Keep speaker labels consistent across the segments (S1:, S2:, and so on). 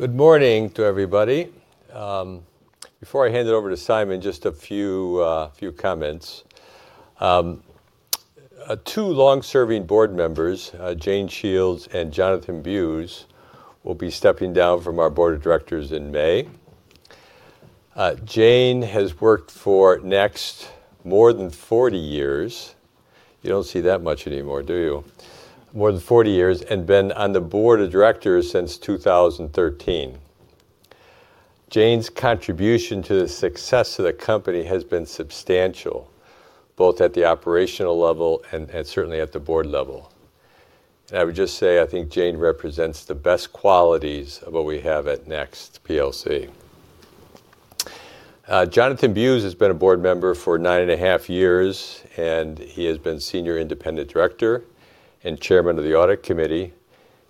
S1: Good morning to everybody. Before I hand it over to Simon, just a few comments. Two long-serving board members, Jane Shields and Jonathan Bewes, will be stepping down from our Board of Directors in May. Jane has worked for NEXT plc more than 40 years. You don't see that much anymore, do you? More than 40 years and been on the board of directors since 2013. Jane's contribution to the success of the company has been substantial, both at the operational level and certainly at the board level. I would just say, I think Jane represents the best qualities of what we have at NEXT plc. Jonathan Bewes has been a board member for 9.5 years, and he has been Senior Independent Director and Chairman of the Audit Committee,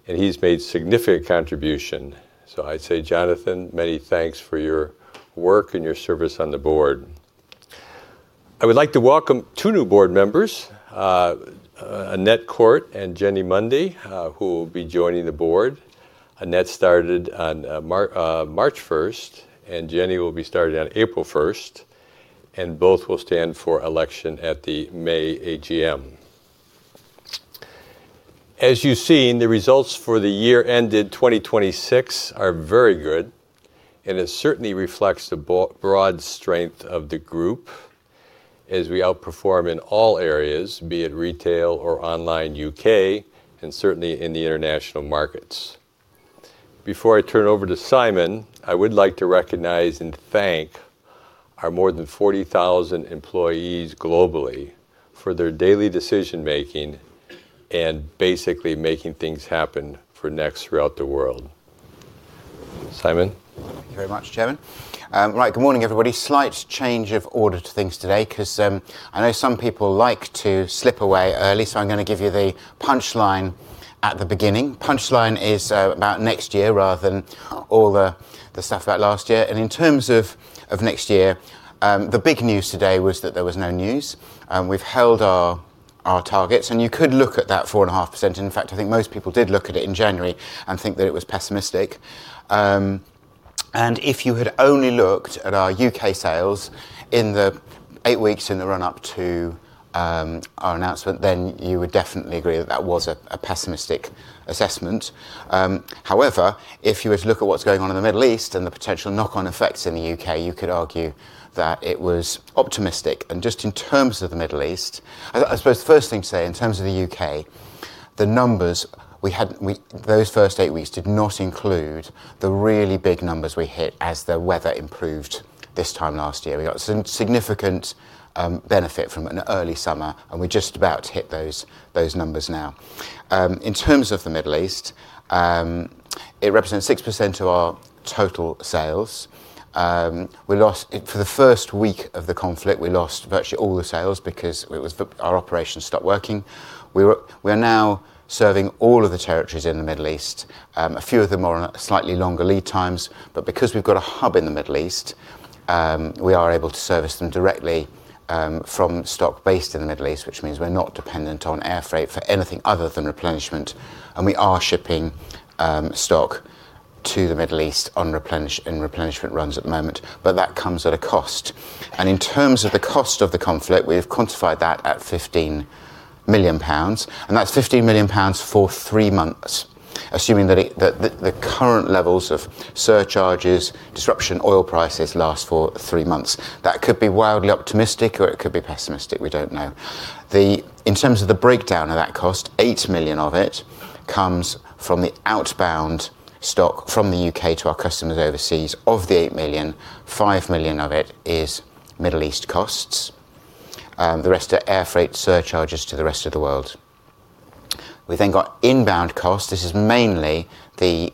S1: and he's made significant contribution. I'd say, Jonathan, many thanks for your work and your service on the board. I would like to welcome two new board members, Annette Court and Jeni Mundy, who will be joining the board. Annette started on March first, and Jeni will be starting on April first, and both will stand for election at the May AGM. As you've seen, the results for the year ended 2026 are very good, and it certainly reflects the broad strength of the group as we outperform in all areas, be it retail or online U.K., and certainly in the international markets. Before I turn over to Simon, I would like to recognize and thank our more than 40,000 employees globally for their daily decision-making and basically making things happen for Next throughout the world. Simon.
S2: Thank you very much, Chairman. Right. Good morning, everybody. Slight change of order to things today 'cause I know some people like to slip away early, so I'm gonna give you the punchline at the beginning. Punchline is about next year rather than all the stuff about last year. In terms of next year, the big news today was that there was no news. We've held our targets, and you could look at that 4.5%, in fact, I think most people did look at it in January and think that it was pessimistic. If you had only looked at our U.K. sales in the eight weeks in the run-up to our announcement, then you would definitely agree that that was a pessimistic assessment. However, if you were to look at what's going on in the Middle East and the potential knock-on effects in the U.K., you could argue that it was optimistic. Just in terms of the Middle East, I suppose the first thing to say, in terms of the U.K., the numbers those first eight weeks did not include the really big numbers we hit as the weather improved this time last year. We got significant benefit from an early summer, and we're just about to hit those numbers now. In terms of the Middle East, it represents 6% of our total sales. For the first week of the conflict, we lost virtually all the sales because our operations stopped working. We are now serving all of the territories in the Middle East. A few of them are on slightly longer lead times. Because we've got a hub in the Middle East, we are able to service them directly from stock based in the Middle East, which means we're not dependent on air freight for anything other than replenishment. We are shipping stock to the Middle East in replenishment runs at the moment, but that comes at a cost. In terms of the cost of the conflict, we've quantified that at 15 million pounds, and that's 15 million pounds for three months, assuming that the current levels of surcharges, disruption, oil prices last for three months. That could be wildly optimistic or it could be pessimistic. We don't know. In terms of the breakdown of that cost, 8 million of it comes from the outbound stock from the U.K. to our customers overseas. Of the 8 million, 5 million of it is Middle East costs. The rest are air freight surcharges to the rest of the world. We've then got inbound cost. This is mainly the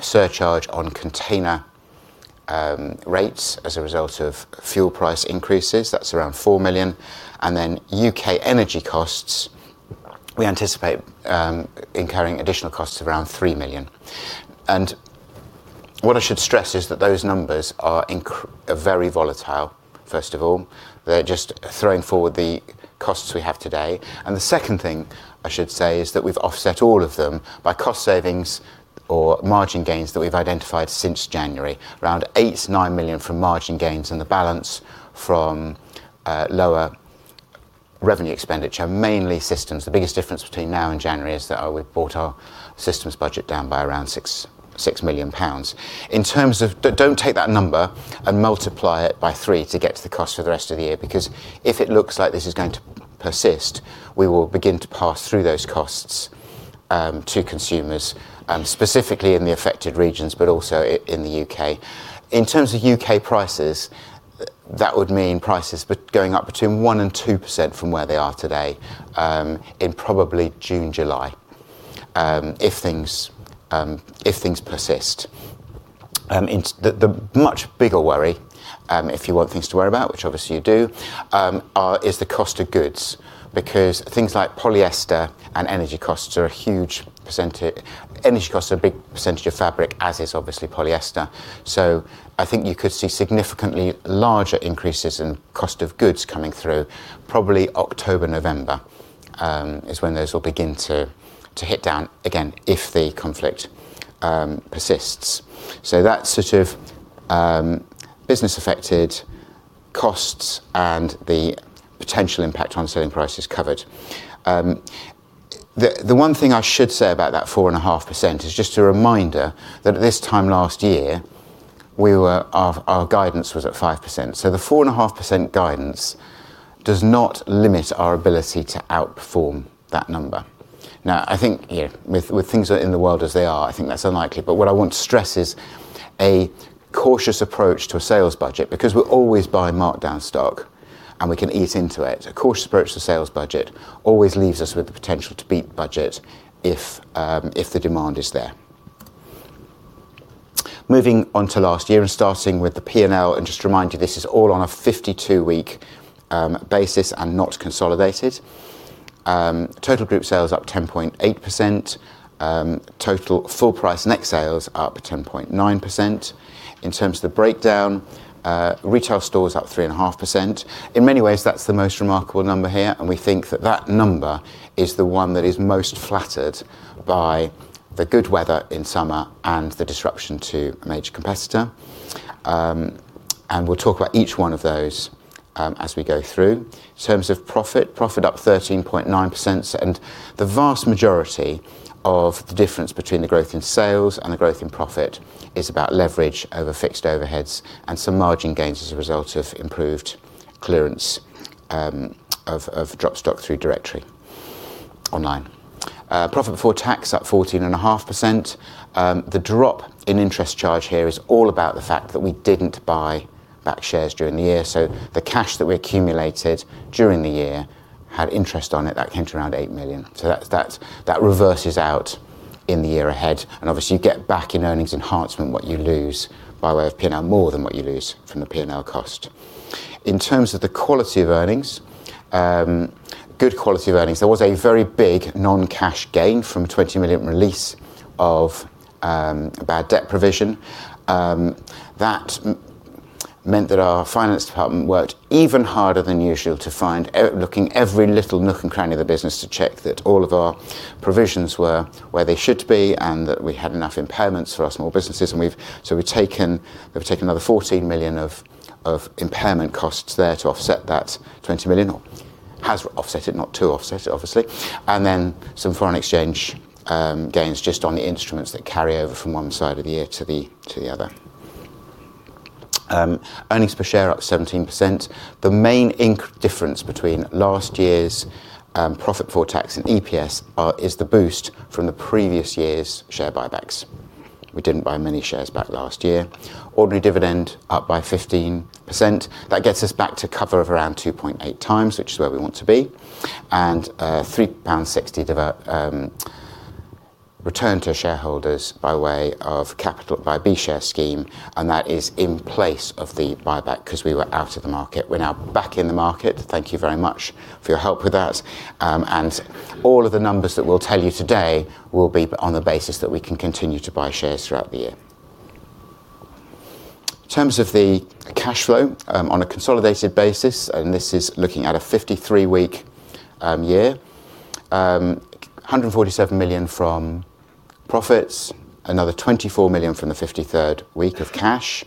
S2: surcharge on container rates as a result of fuel price increases. That's around 4 million. Then U.K. energy costs, we anticipate incurring additional costs of around 3 million. What I should stress is that those numbers are very volatile, first of all. They're just rolling forward the costs we have today. The second thing I should say is that we've offset all of them by cost savings or margin gains that we've identified since January, around 8 million-9 million from margin gains and the balance from lower revenue expenditure, mainly systems. The biggest difference between now and January is that we've brought our systems budget down by around 6 million pounds. Don't take that number and multiply it by three to get to the cost for the rest of the year because if it looks like this is going to persist, we will begin to pass through those costs to consumers, specifically in the affected regions but also in the U.K. In terms of U.K. prices, that would mean prices going up between 1% and 2% from where they are today, in probably June, July, if things persist. In the much bigger worry, if you want things to worry about, which obviously you do, is the cost of goods because things like polyester and energy costs are a huge percentage. Energy costs are a big percentage of fabric, as is obviously polyester. I think you could see significantly larger increases in cost of goods coming through probably October, November is when those will begin to hit down again if the conflict persists. That's sort of business affected costs and the potential impact on selling prices covered. The one thing I should say about that 4.5% is just a reminder that at this time last year our guidance was at 5%. The 4.5% guidance does not limit our ability to outperform that number. I think, you know, with things that are in the world as they are, I think that's unlikely. What I want to stress is a cautious approach to a sales budget because we're always buying marked down stock, and we can ease into it. A cautious approach to a sales budget always leaves us with the potential to beat budget if the demand is there. Moving on to last year and starting with the P&L, just remind you this is all on a 52-week basis and not consolidated. Total group sales up 10.8%. Total full price Next sales up 10.9%. In terms of the breakdown, retail stores up 3.5%. In many ways, that's the most remarkable number here, and we think that number is the one that is most flattered by the good weather in summer and the disruption to a major competitor. We'll talk about each one of those as we go through. In terms of profit up 13.9%, and the vast majority of the difference between the growth in sales and the growth in profit is about leverage over fixed overheads and some margin gains as a result of improved clearance of drop stock through directory online. Profit before tax up 14.5%. The drop in interest charge here is all about the fact that we didn't buy back shares during the year. The cash that we accumulated during the year had interest on it that came to around 8 million. That reverses out in the year ahead. Obviously you get back in earnings enhancement what you lose by way of P&L, more than what you lose from the P&L cost. In terms of the quality of earnings, good quality of earnings. There was a very big non-cash gain from a 20 million release of a bad debt provision. That meant that our finance department worked even harder than usual looking every little nook and cranny of the business to check that all of our provisions were where they should be and that we had enough impairments for our small businesses. We've taken another 14 million of impairment costs there to offset that 20 million. It has offset it, not to offset it, obviously. Some foreign exchange gains just on the instruments that carry over from one side of the year to the other. Earnings per share up 17%. The main difference between last year's profit before tax and EPS is the boost from the previous year's share buybacks. We didn't buy many shares back last year. Ordinary dividend up by 15%. That gets us back to cover of around 2.8x, which is where we want to be. 3.60 pound return to shareholders by way of capital via B Share Scheme, and that is in place of the buyback 'cause we were out of the market. We're now back in the market. Thank you very much for your help with that. All of the numbers that we'll tell you today will be on the basis that we can continue to buy shares throughout the year. In terms of the cash flow, on a consolidated basis. This is looking at a 53-week year. 147 million from profits, another 24 million from the 53rd week of cash.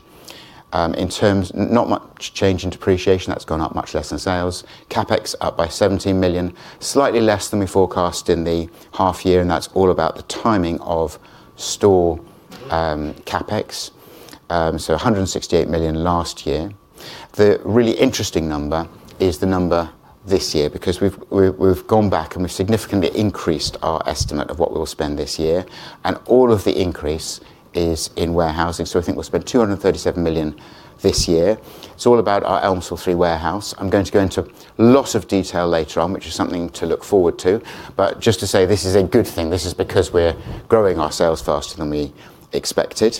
S2: Not much change in depreciation. That's gone up much less than sales. CapEx up by 17 million, slightly less than we forecast in the half year, and that's all about the timing of store CapEx. 168 million last year. The really interesting number is the number this year because we've significantly increased our estimate of what we'll spend this year, and all of the increase is in warehousing. We think we'll spend 237 million this year. It's all about our Elmsall 3 warehouse. I'm going to go into lots of detail later on, which is something to look forward to. Just to say this is a good thing. This is because we're growing our sales faster than we expected.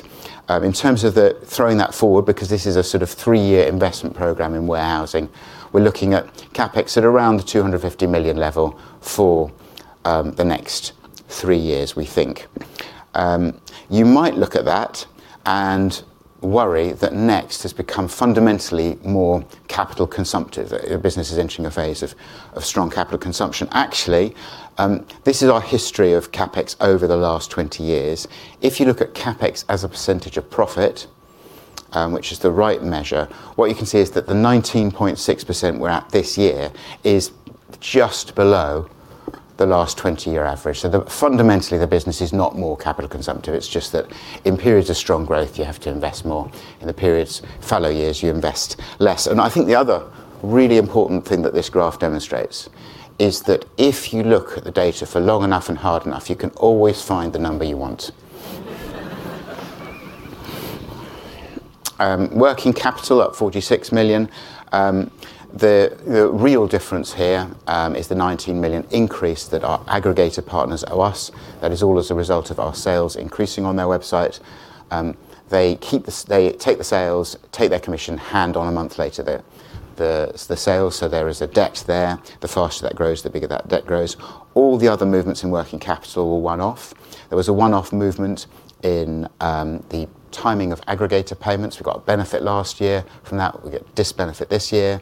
S2: In terms of rolling that forward, because this is a sort of three-year investment program in warehousing, we're looking at CapEx at around the 250 million level for the next three years, we think. You might look at that and worry that Next has become fundamentally more capital consumptive, your business is entering a phase of strong capital consumption. This is our history of CapEx over the last 20 years. If you look at CapEx as a percentage of profit, which is the right measure, what you can see is that the 19.6% we're at this year is just below the last 20-year average. Fundamentally, the business is not more capital consumptive, it's just that in periods of strong growth you have to invest more. In the periods, following years, you invest less. I think the other really important thing that this graph demonstrates is that if you look at the data for long enough and hard enough, you can always find the number you want. Working capital up 46 million. The real difference here is the 19 million increase that our aggregator partners owe us. That is all as a result of our sales increasing on their website. They take the sales, take their commission, hand over a month later the sales, so there is a debt there. The faster that grows, the bigger that debt grows. All the other movements in working capital were one-off. There was a one-off movement in the timing of aggregator payments. We got a benefit last year. From that, we get disbenefit this year.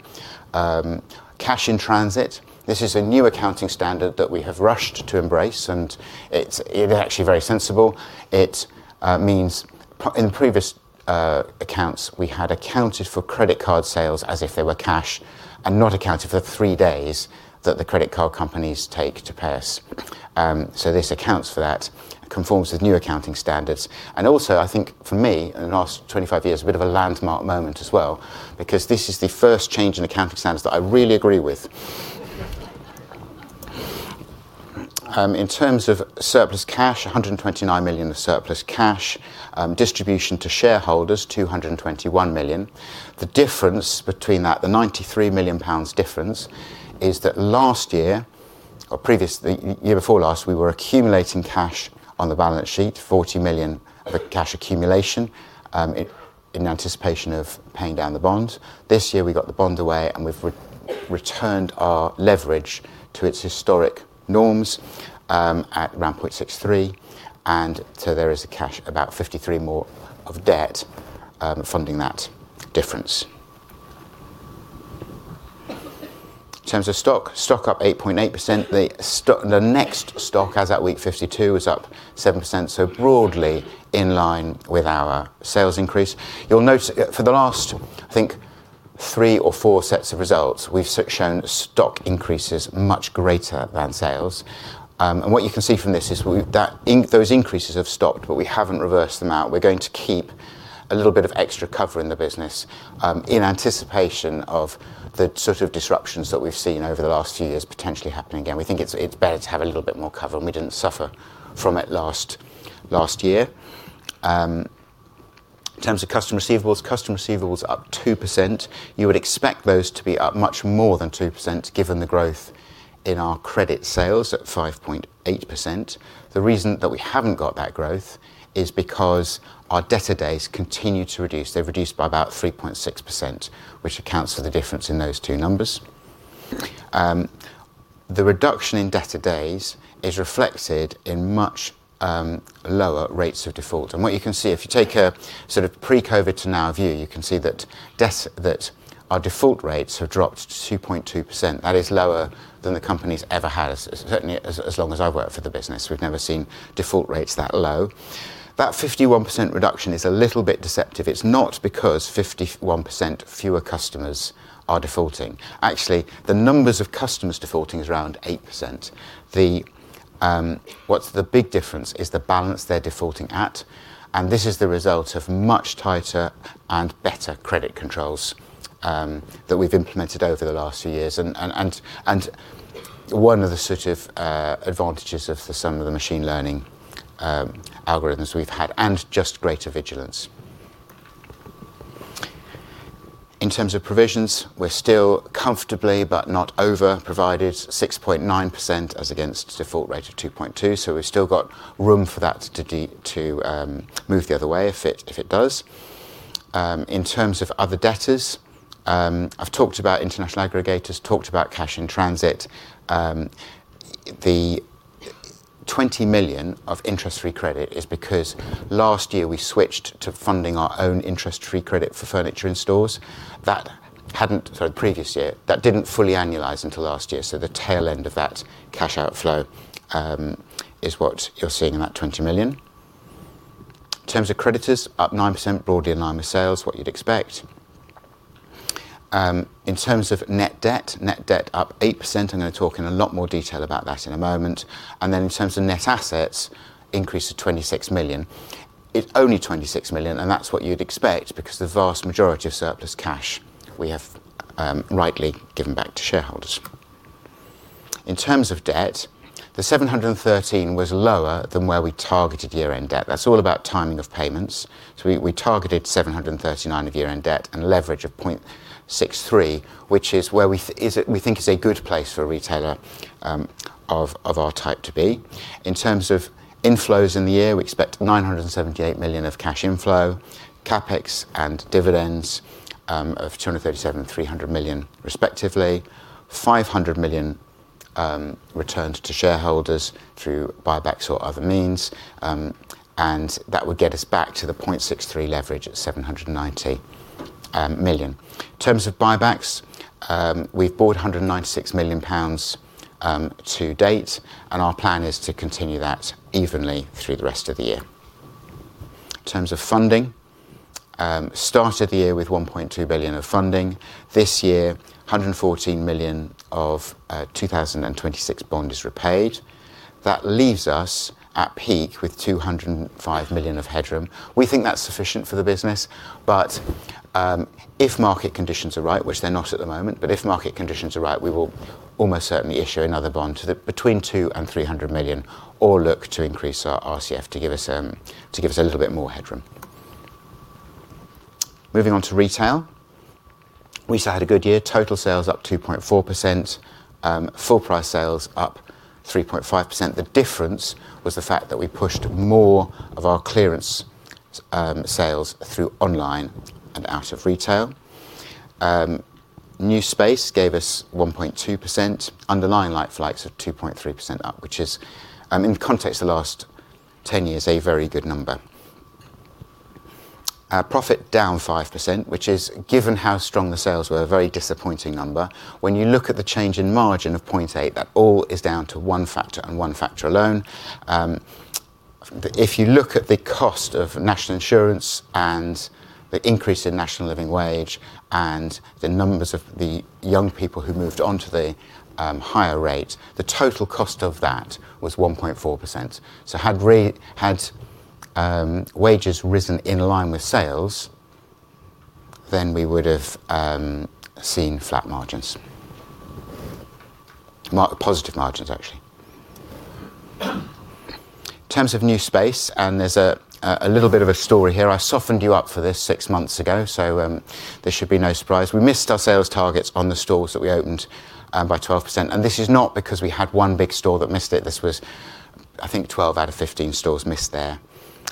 S2: Cash in transit, this is a new accounting standard that we have rushed to embrace, and it is actually very sensible. It means in previous accounts, we had accounted for credit card sales as if they were cash and not accounted for the three days that the credit card companies take to pay us. This accounts for that, conforms with new accounting standards, and also, I think for me, in the last 25 years, a bit of a landmark moment as well because this is the first change in accounting standards that I really agree with. In terms of surplus cash, 129 million of surplus cash, distribution to shareholders, 221 million. The difference between that, the 93 million pounds difference, is that last year or previously, year before last, we were accumulating cash on the balance sheet, 40 million of cash accumulation, in anticipation of paying down the bond. This year, we got the bond away, and we've returned our leverage to its historic norms at around 0.63, and so there is cash of about 53 million more debt funding that difference. In terms of stock up 8.8%. The Next stock as at week 52 was up 7%, so broadly in line with our sales increase. You'll notice for the last, I think, three or four sets of results, we've shown stock increases much greater than sales. What you can see from this is that those increases have stopped, but we haven't reversed them out. We're going to keep a little bit of extra cover in the business in anticipation of the sort of disruptions that we've seen over the last few years potentially happening again. We think it's better to have a little bit more cover, and we didn't suffer from it last year. In terms of customer receivables, customer receivables up 2%. You would expect those to be up much more than 2% given the growth in our credit sales at 5.8%. The reason that we haven't got that growth is because our debtor days continue to reduce. They've reduced by about 3.6%, which accounts for the difference in those two numbers. The reduction in debtor days is reflected in much lower rates of default. What you can see, if you take a sort of pre-COVID to now view, you can see that our default rates have dropped to 2.2%. That is lower than the company's ever had. Certainly as long as I've worked for the business, we've never seen default rates that low. That 51% reduction is a little bit deceptive. It's not because 51% fewer customers are defaulting. Actually, the numbers of customers defaulting is around 8%. The big difference is the balance they're defaulting at, and this is the result of much tighter and better credit controls that we've implemented over the last few years and one of the sort of advantages of some of the machine learning algorithms we've had and just greater vigilance. In terms of provisions, we're still comfortably but not over-provided, 6.9% as against default rate of 2.2%, so we've still got room for that to move the other way if it does. In terms of other debtors, I've talked about international aggregators, talked about cash in transit. The 20 million of interest-free credit is because last year we switched to funding our own interest-free credit for furniture in stores. That didn't fully annualize until last year, so the tail end of that cash outflow is what you're seeing in that 20 million. In terms of creditors, up 9%, broadly in line with sales, what you'd expect. In terms of net debt, net debt up 8%. I'm gonna talk in a lot more detail about that in a moment. Then in terms of net assets, increase to 26 million. Only 26 million, and that's what you'd expect because the vast majority of surplus cash we have, rightly given back to shareholders. In terms of debt, the 713 million was lower than where we targeted year-end debt. That's all about timing of payments. We targeted 739 million of year-end debt and leverage of 0.63, which is where we think is a good place for a retailer of our type to be. In terms of inflows in the year, we expect 978 million of cash inflow, CapEx and dividends of 237 million and 300 million, respectively. 500 million returned to shareholders through buybacks or other means, and that would get us back to the 0.63 leverage at 790 million. In terms of buybacks, we've bought 196 million pounds to date, and our plan is to continue that evenly through the rest of the year. In terms of funding, we started the year with 1.2 billion of funding. This year, 114 million of 2026 bond is repaid. That leaves us at peak with 205 million of headroom. We think that's sufficient for the business. If market conditions are right, which they're not at the moment, but if market conditions are right, we will almost certainly issue another bond between 200 million and 300 million or look to increase our RCF to give us a little bit more headroom. Moving on to retail. We still had a good year. Total sales up 2.4%. Full price sales up 3.5%. The difference was the fact that we pushed more of our clearance sales through online and out of retail. New space gave us 1.2%. Underlying like-for-likes are 2.3% up, which is, in context of the last ten years, a very good number. Profit down 5%, which is, given how strong the sales were, a very disappointing number. When you look at the change in margin of 0.8%, that all is down to one factor and one factor alone. If you look at the cost of national insurance and the increase in National Living Wage and the numbers of the young people who moved onto the higher rate, the total cost of that was 1.4%. Had wages risen in line with sales, then we would've seen flat margins. Positive margins, actually. In terms of new space, there's a little bit of a story here. I softened you up for this six months ago, so this should be no surprise. We missed our sales targets on the stores that we opened by 12%, and this is not because we had one big store that missed it. This was, I think, 12 out of 15 stores missed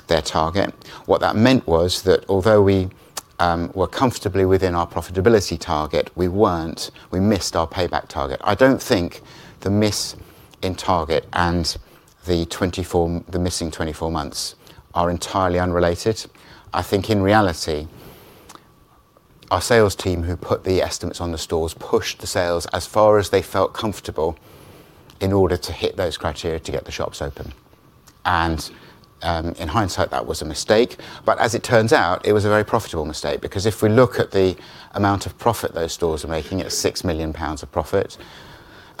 S2: their target. What that meant was that although we were comfortably within our profitability target, we missed our payback target. I don't think the miss on target and the missing 24 months are entirely unrelated. I think in reality, our sales team, who put the estimates on the stores, pushed the sales as far as they felt comfortable in order to hit those criteria to get the shops open. In hindsight, that was a mistake. As it turns out, it was a very profitable mistake because if we look at the amount of profit those stores are making at 6 million pounds of profit,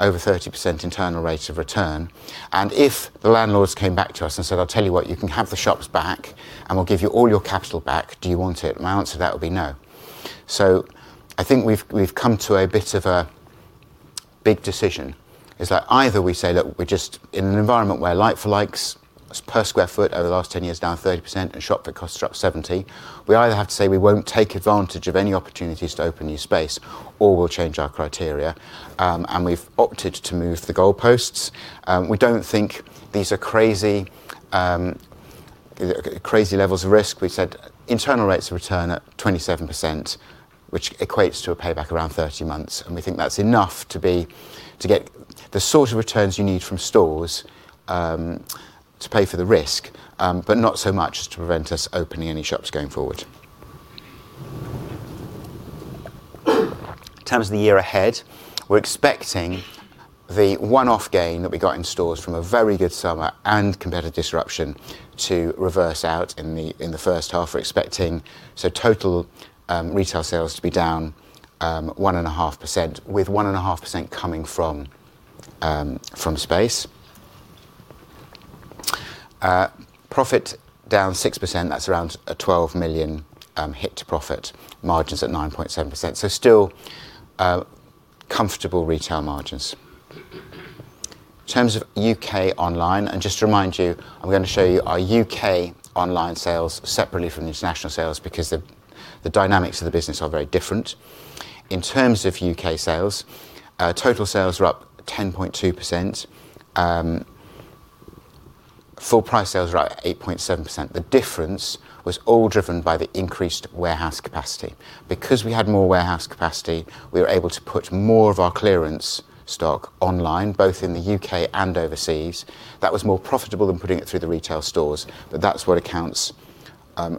S2: over 30% internal rate of return, and if the landlords came back to us and said, "I'll tell you what, you can have the shops back, and we'll give you all your capital back. Do you want it?" My answer to that would be no. I think we've come to a bit of a big decision in that either we say that we're just in an environment where like-for-likes sales per sq ft over the last 10 years down 30%, a shop that costs up 70%. We either have to say we won't take advantage of any opportunities to open new space or we'll change our criteria, and we've opted to move the goalposts. We don't think these are crazy levels of risk. We said internal rates of return at 27%, which equates to a payback around 30 months, and we think that's enough to get the sort of returns you need from stores to pay for the risk, but not so much as to prevent us opening any shops going forward. In terms of the year ahead, we're expecting the one-off gain that we got in stores from a very good summer and competitive disruption to reverse out in the first half. We're expecting total retail sales to be down 1.5%, with 1.5% coming from space. Profit down 6%. That's around a 12 million hit to profit. Margins at 9.7%. Still comfortable retail margins. In terms of U.K. online, and just to remind you, I'm gonna show you our U.K. online sales separately from the international sales because the dynamics of the business are very different. In terms of U.K. sales, total sales are up 10.2%. Full price sales are at 8.7%. The difference was all driven by the increased warehouse capacity. Because we had more warehouse capacity, we were able to put more of our clearance stock online, both in the U.K. and overseas. That was more profitable than putting it through the retail stores, but that's what accounts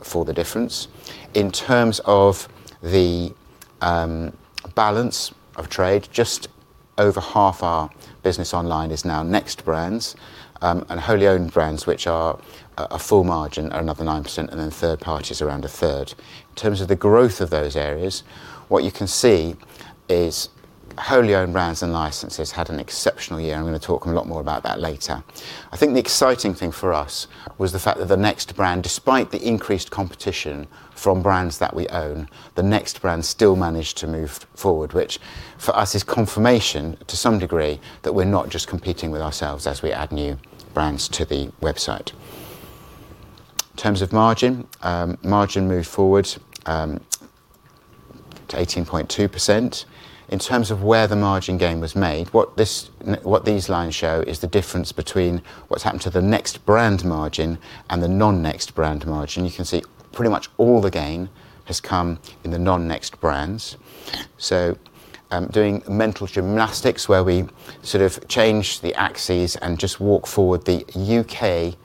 S2: for the difference. In terms of the balance of trade, just over half our business online is now Next brands and wholly owned brands, which are a full margin or another 9%, and then third party is around a third. In terms of the growth of those areas, what you can see is wholly owned brands and licenses had an exceptional year, and I'm gonna talk a lot more about that later. I think the exciting thing for us was the fact that the Next brand, despite the increased competition from brands that we own, the Next brand still managed to move forward, which for us is confirmation to some degree that we're not just competing with ourselves as we add new brands to the website. In terms of margin moved forward to 18.2%. In terms of where the margin gain was made, what these lines show is the difference between what's happened to the Next brand margin and the non-Next brand margin. You can see pretty much all the gain has come in the non-Next brands. Doing mental gymnastics where we sort of change the axes and just walk forward the U.K.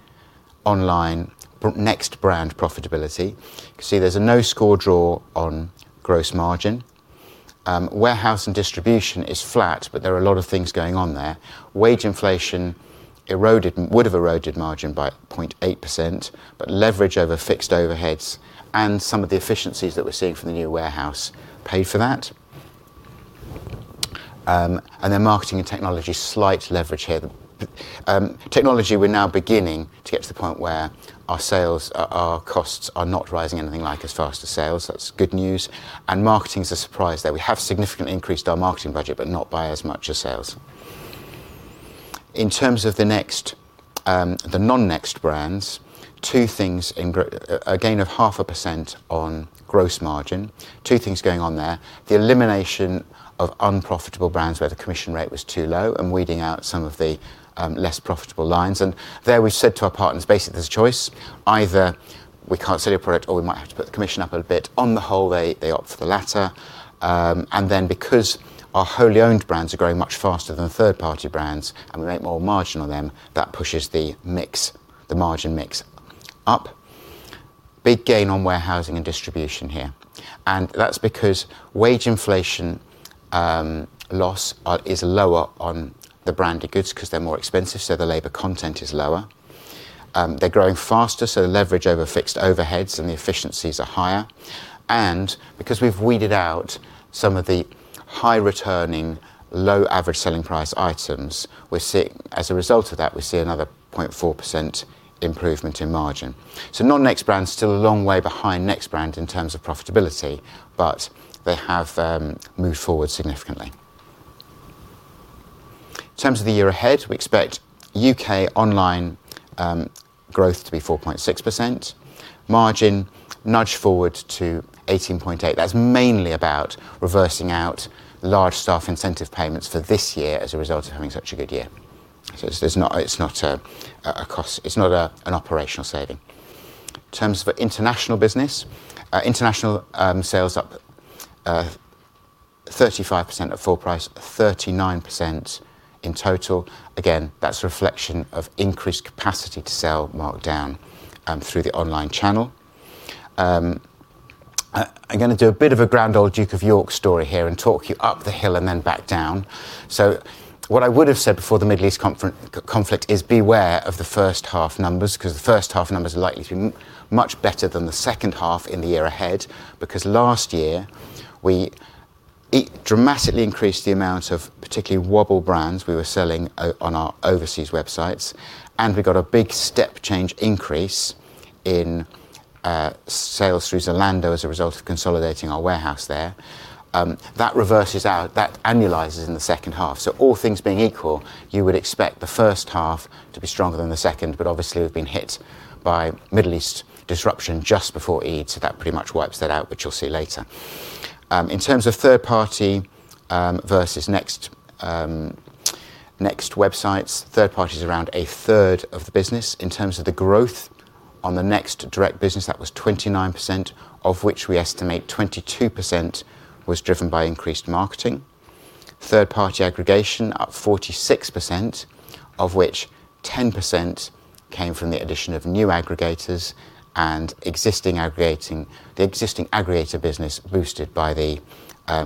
S2: online Next brand profitability, you can see there's a no score draw on gross margin. Warehouse and distribution is flat, but there are a lot of things going on there. Wage inflation would have eroded margin by 0.8%, but leverage over fixed overheads and some of the efficiencies that we're seeing from the new warehouse paid for that. Marketing and technology, slight leverage here. The technology, we're now beginning to get to the point where our sales, our costs are not rising anything like as fast as sales. That's good news. Marketing's a surprise there. We have significantly increased our marketing budget, but not by as much as sales. In terms of the Next, the non-Next brands, two things in gross margin, a gain of 0.5% on gross margin. Two things going on there, the elimination of unprofitable brands where the commission rate was too low and weeding out some of the, less profitable lines. There we said to our partners, basically, there's a choice, either we can't sell your product or we might have to put the commission up a bit. On the whole, they opt for the latter. Then because our wholly owned brands are growing much faster than the third-party brands and we make more margin on them, that pushes the mix, the margin mix up. Big gain on warehousing and distribution here. That's because wage inflation costs are lower on the branded goods 'cause they're more expensive, so the labor content is lower. They're growing faster, so the leverage over fixed overheads and the efficiencies are higher. Because we've weeded out some of the high returning low average selling price items, as a result of that, we see another 0.4% improvement in margin. Non-Next brands still a long way behind Next brand in terms of profitability, but they have moved forward significantly. In terms of the year ahead, we expect U.K. online growth to be 4.6%. Margin nudged forward to 18.8%. That's mainly about reversing out large staff incentive payments for this year as a result of having such a good year. It's not a cost. It's not an operational saving. In terms of our international business, sales up 35% at full price, 39% in total. Again, that's a reflection of increased capacity to sell markdown through the online channel. I'm gonna do a bit of a grand old Duke of York story here and talk you up the hill and then back down. What I would have said before the Middle East conflict is beware of the first half numbers, 'cause the first half numbers are likely to be much better than the second half in the year ahead. Because last year, we dramatically increased the amount of particularly WOBL brands we were selling on our overseas websites, and we got a big step change increase in sales through Zalando as a result of consolidating our warehouse there. That reverses out, that annualizes in the second half. All things being equal, you would expect the first half to be stronger than the second, but obviously we've been hit by Middle East disruption just before Eid, so that pretty much wipes that out, which you'll see later. In terms of third-party versus Next websites, third-party is around a third of the business. In terms of the growth on the Next direct business, that was 29%, of which we estimate 22% was driven by increased marketing. Third-party aggregation up 46%, of which 10% came from the addition of new aggregators and the existing aggregator business boosted by the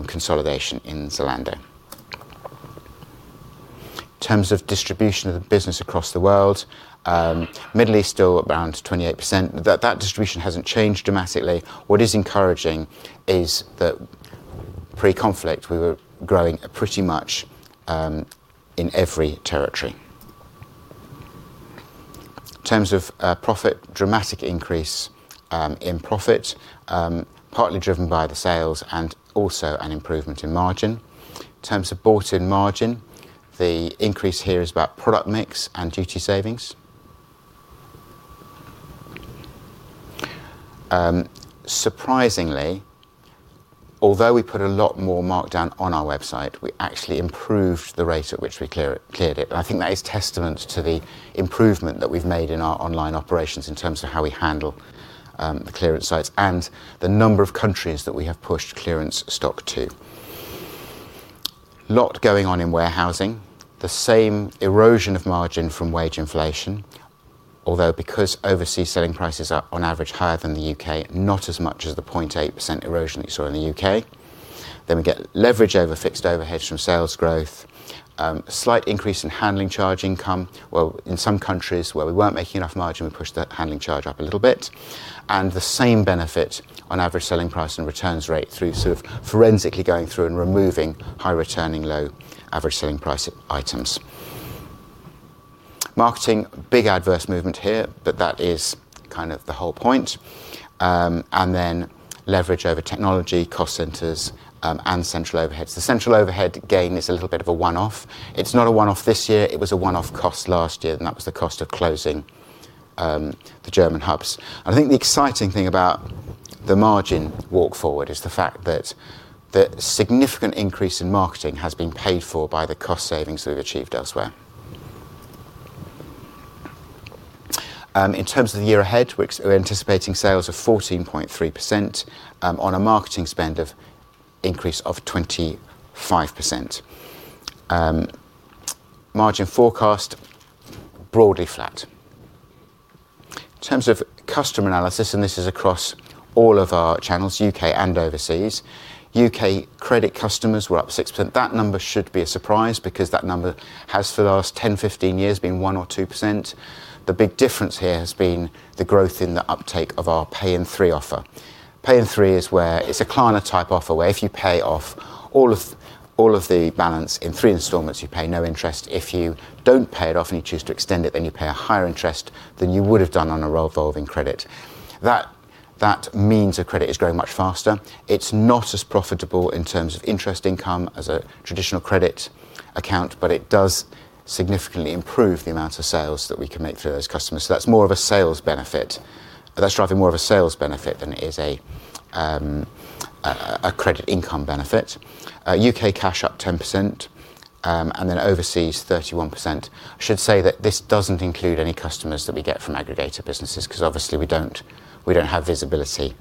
S2: consolidation in Zalando. In terms of distribution of the business across the world, Middle East still around 28%. That distribution hasn't changed dramatically. What is encouraging is that pre-conflict, we were growing pretty much in every territory. In terms of profit, dramatic increase in profit, partly driven by the sales and also an improvement in margin. In terms of bought-in margin, the increase here is about product mix and duty savings. Surprisingly, although we put a lot more markdown on our website, we actually improved the rate at which we clear it. I think that is testament to the improvement that we've made in our online operations in terms of how we handle the clearance sites and the number of countries that we have pushed clearance stock to. A lot going on in warehousing. The same erosion of margin from wage inflation. Although because overseas selling prices are on average higher than the U.K., not as much as the 0.8% erosion that you saw in the U.K. We get leverage over fixed overheads from sales growth. Slight increase in handling charge income. Well, in some countries where we weren't making enough margin, we pushed that handling charge up a little bit. The same benefit on average selling price and returns rate through sort of forensically going through and removing high returning low average selling price items. Marketing, big adverse movement here, but that is kind of the whole point. Leverage over technology, cost centers, and central overheads. The central overhead gain is a little bit of a one-off. It's not a one-off this year. It was a one-off cost last year, and that was the cost of closing the German hubs. I think the exciting thing about the margin walk forward is the fact that the significant increase in marketing has been paid for by the cost savings we've achieved elsewhere. In terms of the year ahead, we're anticipating sales of 14.3% on a marketing spend increase of 25%. Margin forecast broadly flat. In terms of customer analysis, and this is across all of our channels, U.K. and overseas, U.K. credit customers were up 6%. That number should be a surprise because that number has for the last 10, 15 years been 1% or 2%. The big difference here has been the growth in the uptake of our pay in 3 offer. Pay in 3 is where it's a Klarna type offer where if you pay off all of the balance in 3 installments, you pay no interest. If you don't pay it off and you choose to extend it, then you pay a higher interest than you would have done on a revolving credit. That means a credit is growing much faster. It's not as profitable in terms of interest income as a traditional credit account, but it does significantly improve the amount of sales that we can make through those customers. That's more of a sales benefit. That's driving more of a sales benefit than it is a credit income benefit. U.K. Cash up 10%, and then overseas, 31%. should say that this doesn't include any customers that we get from aggregator businesses because obviously we don't have visibility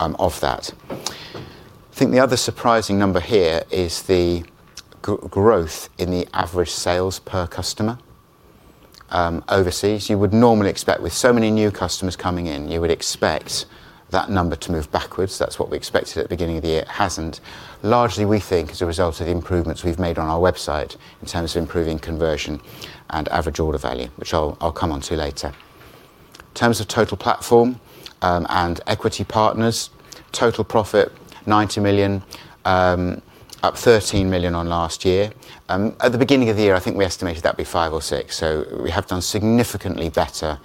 S2: of that. The other surprising number here is the growth in the average sales per customer overseas. With so many new customers coming in, you would normally expect that number to move backwards. That's what we expected at the beginning of the year. It hasn't. Largely, we think, as a result of the improvements we've made on our website in terms of improving conversion and average order value, which I'll come onto later. In terms of Total Platform and equity partners, total profit 90 million, up 13 million on last year. At the beginning of the year, I think we estimated that'd be 5 million or 6 million, so we have done significantly better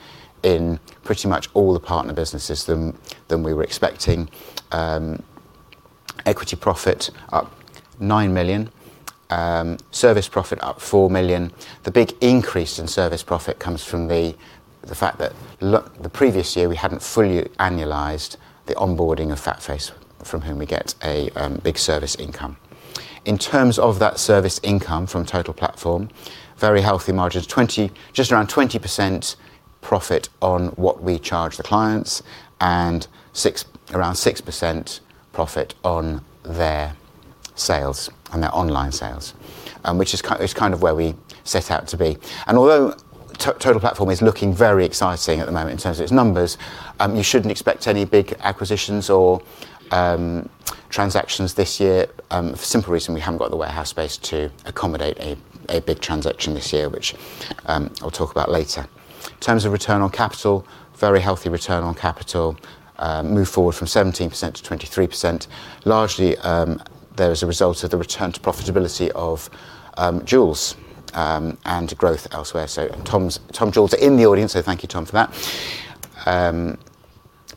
S2: in pretty much all the partner businesses than we were expecting. Equity profit up 9 million. Service profit up 4 million. The big increase in service profit comes from the fact that the previous year we hadn't fully annualized the onboarding of FatFace from whom we get a big service income. In terms of that service income from Total Platform, very healthy margins. Just around 20% profit on what we charge the clients and around 6% profit on their sales, on their online sales. Which is kind of where we set out to be. Although the Total Platform is looking very exciting at the moment in terms of its numbers, you shouldn't expect any big acquisitions or transactions this year for the simple reason we haven't got the warehouse space to accommodate a big transaction this year, which I'll talk about later. In terms of return on capital, very healthy return on capital moved forward from 17% to 23%. Largely that is a result of the return to profitability of Joules and growth elsewhere. Tom Sheridan in the audience, so thank you, Tom, for that.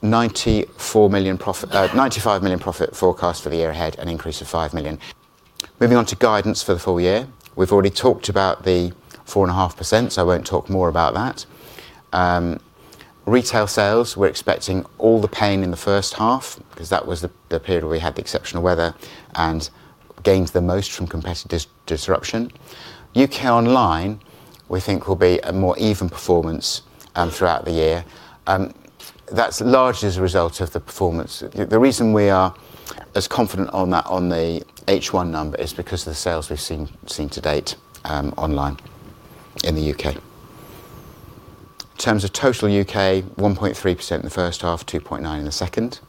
S2: 95 million profit forecast for the year ahead, an increase of 5 million. Moving on to guidance for the full year. We've already talked about the 4.5%, so I won't talk more about that. Retail sales, we're expecting all the pain in the first half, 'cause that was the period where we had the exceptional weather and gained the most from competitive disruption. U.K. online, we think, will be a more even performance throughout the year. That's largely as a result of the performance. The reason we are as confident on the H1 number is because of the sales we've seen to date online in the U.K. In terms of total U.K., 1.3% in the first half, 2.9% in the second.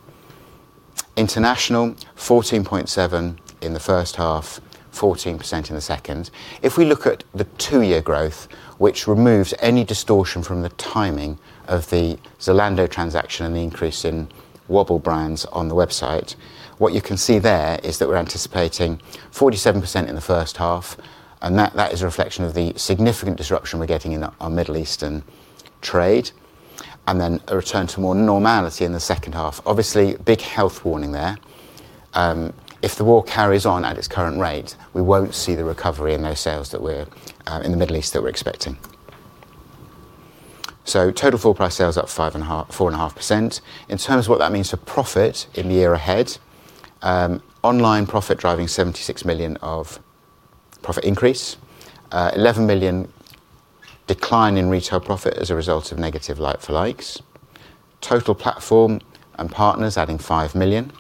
S2: International, 14.7% in the first half, 14% in the second. If we look at the two-year growth, which removes any distortion from the timing of the Zalando transaction and the increase in WOBL brands on the website, what you can see there is that we're anticipating 47% in the first half, and that is a reflection of the significant disruption we're getting in our Middle Eastern trade, and then a return to more normality in the second half. Obviously, big health warning there. If the war carries on at its current rate, we won't see the recovery in those sales that we're in the Middle East that we're expecting. Total full price sales up 4.5%. In terms of what that means for profit in the year ahead, online profit driving 76 million of profit increase. 11 million decline in retail profit as a result of negative like-for-likes. Total Platform and partners adding 5 million.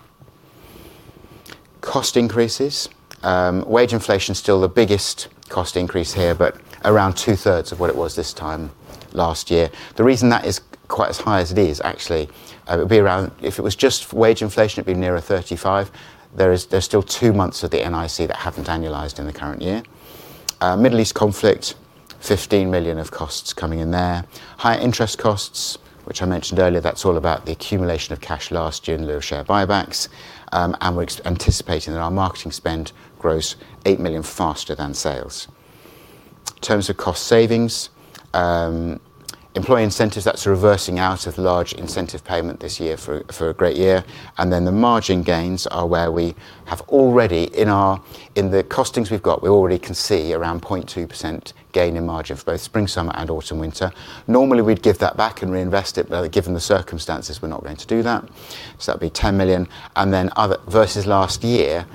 S2: Cost increases, wage inflation's still the biggest cost increase here, but around two-thirds of what it was this time last year. The reason that is quite as high as it is actually, it would be around. If it was just wage inflation, it'd be nearer 35. There's still two months of the NIC that haven't annualized in the current year. Middle East conflict, 15 million of costs coming in there. Higher interest costs, which I mentioned earlier, that's all about the accumulation of cash last year in lieu of share buybacks. We're anticipating that our marketing spend grows 8 million faster than sales. In terms of cost savings, employee incentives, that's reversing out of large incentive payment this year for a great year. The margin gains are where we have already in our, in the costings we've got, we already can see around 0.2% gain in margin for both spring/summer and autumn/winter. Normally, we'd give that back and reinvest it, but given the circumstances, we're not going to do that. That'd be 10 million. Other versus last year,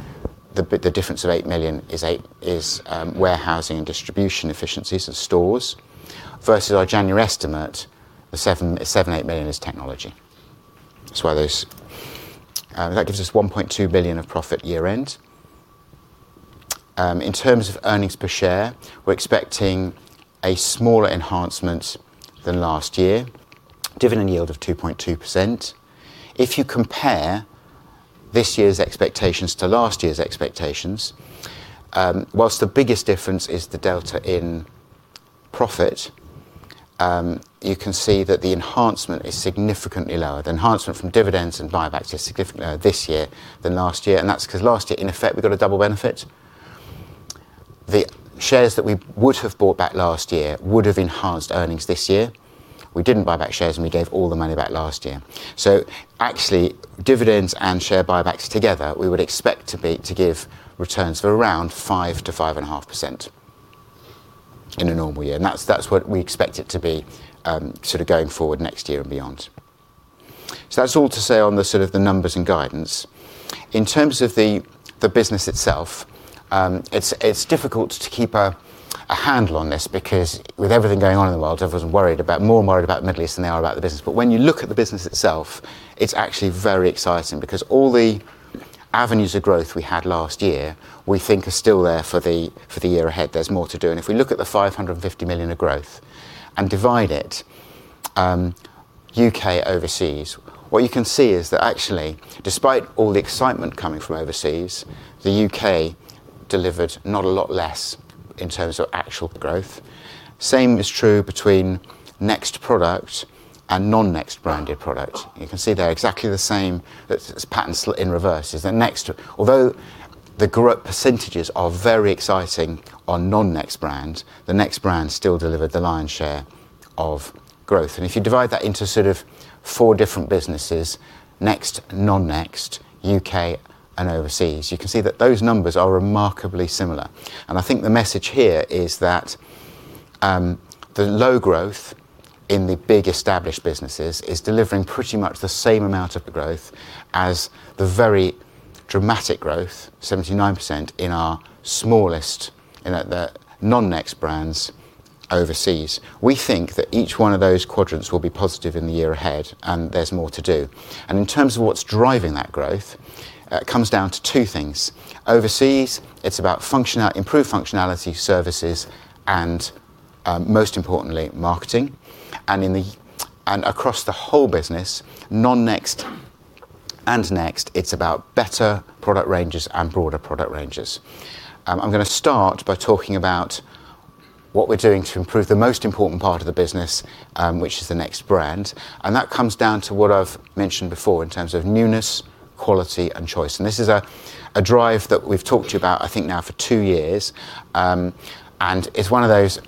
S2: the difference of 8 million is warehousing and distribution efficiencies and stores versus our January estimate, the 7 million, 8 million is technology. That's why those. That gives us 1.2 billion of profit year-end. In terms of earnings per share, we're expecting a smaller enhancement than last year. Dividend yield of 2.2%. If you compare this year's expectations to last year's expectations, while the biggest difference is the delta in profit, you can see that the enhancement is significantly lower. The enhancement from dividends and buybacks is significantly lower this year than last year, and that's 'cause last year, in effect, we got a double benefit. The shares that we would have bought back last year would have enhanced earnings this year. We didn't buy back shares, and we gave all the money back last year. Actually, dividends and share buybacks together, we would expect to give returns of around 5%-5.5% in a normal year. That's what we expect it to be, sort of going forward next year and beyond. That's all to say on the numbers and guidance. In terms of the business itself, it's difficult to keep a handle on this because with everything going on in the world, everyone's more worried about Middle East than they are about the business. When you look at the business itself, it's actually very exciting because all the avenues of growth we had last year, we think are still there for the year ahead. There's more to do. If we look at the 550 million of growth and divide it, U.K., overseas, what you can see is that actually despite all the excitement coming from overseas, the U.K. delivered not a lot less in terms of actual growth. Same is true between Next product and non-Next branded product. You can see they're exactly the same. It's patterns in reverse. The Next... Although the growth percentages are very exciting on non-Next brand, the Next brand still delivered the lion's share of growth. If you divide that into sort of four different businesses, Next, non-Next, U.K., and overseas, you can see that those numbers are remarkably similar. I think the message here is that, the low growth in the big established businesses is delivering pretty much the same amount of the growth as the very dramatic growth, 79%, in our smallest, in the non-Next brands overseas. We think that each one of those quadrants will be positive in the year ahead, and there's more to do. In terms of what's driving that growth, it comes down to two things. Overseas, it's about improved functionality, services and, most importantly, marketing. Across the whole business, non-Next and Next, it's about better product ranges and broader product ranges. I'm gonna start by talking about what we're doing to improve the most important part of the business, which is the Next brand. That comes down to what I've mentioned before in terms of newness, quality, and choice. This is a drive that we've talked about, I think now for two years. It's one of those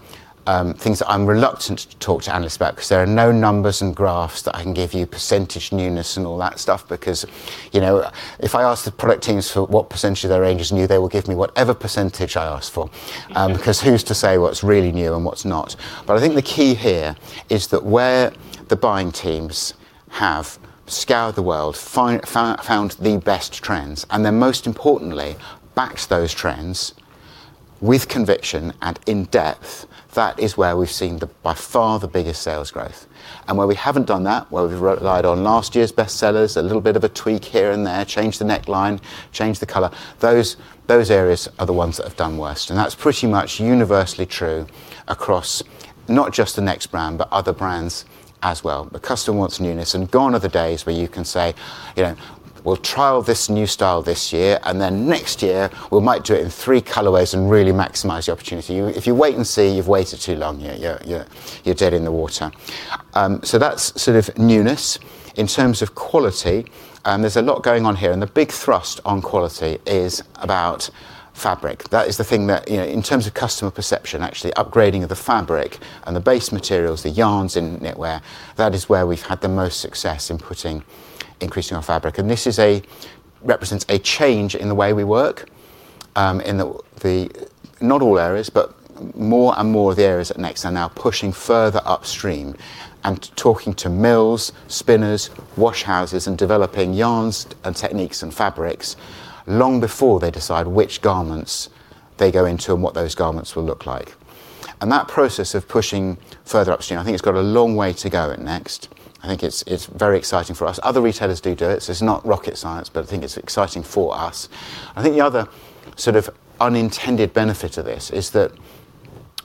S2: things that I'm reluctant to talk to analysts about because there are no numbers and graphs that I can give you, percentage newness and all that stuff because, you know, if I ask the product teams for what percentage of their range is new, they will give me whatever percentage I ask for, because who's to say what's really new and what's not. I think the key here is that where the buying teams have scoured the world, found the best trends, and then most importantly, backed those trends with conviction and in depth, that is where we've seen by far the biggest sales growth. Where we haven't done that, where we've relied on last year's bestsellers, a little bit of a tweak here and there, change the neckline, change the color, those areas are the ones that have done worst. That's pretty much universally true across not just the Next brand, but other brands as well. The customer wants newness, and gone are the days where you can say, you know, "We'll trial this new style this year, and then next year we might do it in three colorways and really maximize the opportunity." If you wait and see, you've waited too long. You're dead in the water. That's sort of newness. In terms of quality, there's a lot going on here, and the big thrust on quality is about fabric. That is the thing that, in terms of customer perception, actually upgrading the fabric and the base materials, the yarns in knitwear, that is where we've had the most success in increasing our fabric. This represents a change in the way we work, not in all areas, but more and more of the areas at NEXT are now pushing further upstream and talking to mills, spinners, wash houses and developing yarns and techniques and fabrics long before they decide which garments they go into and what those garments will look like. That process of pushing further upstream, I think it's got a long way to go at Next. I think it's very exciting for us. Other retailers do it, so it's not rocket science, but I think it's exciting for us. I think the other sort of unintended benefit of this is that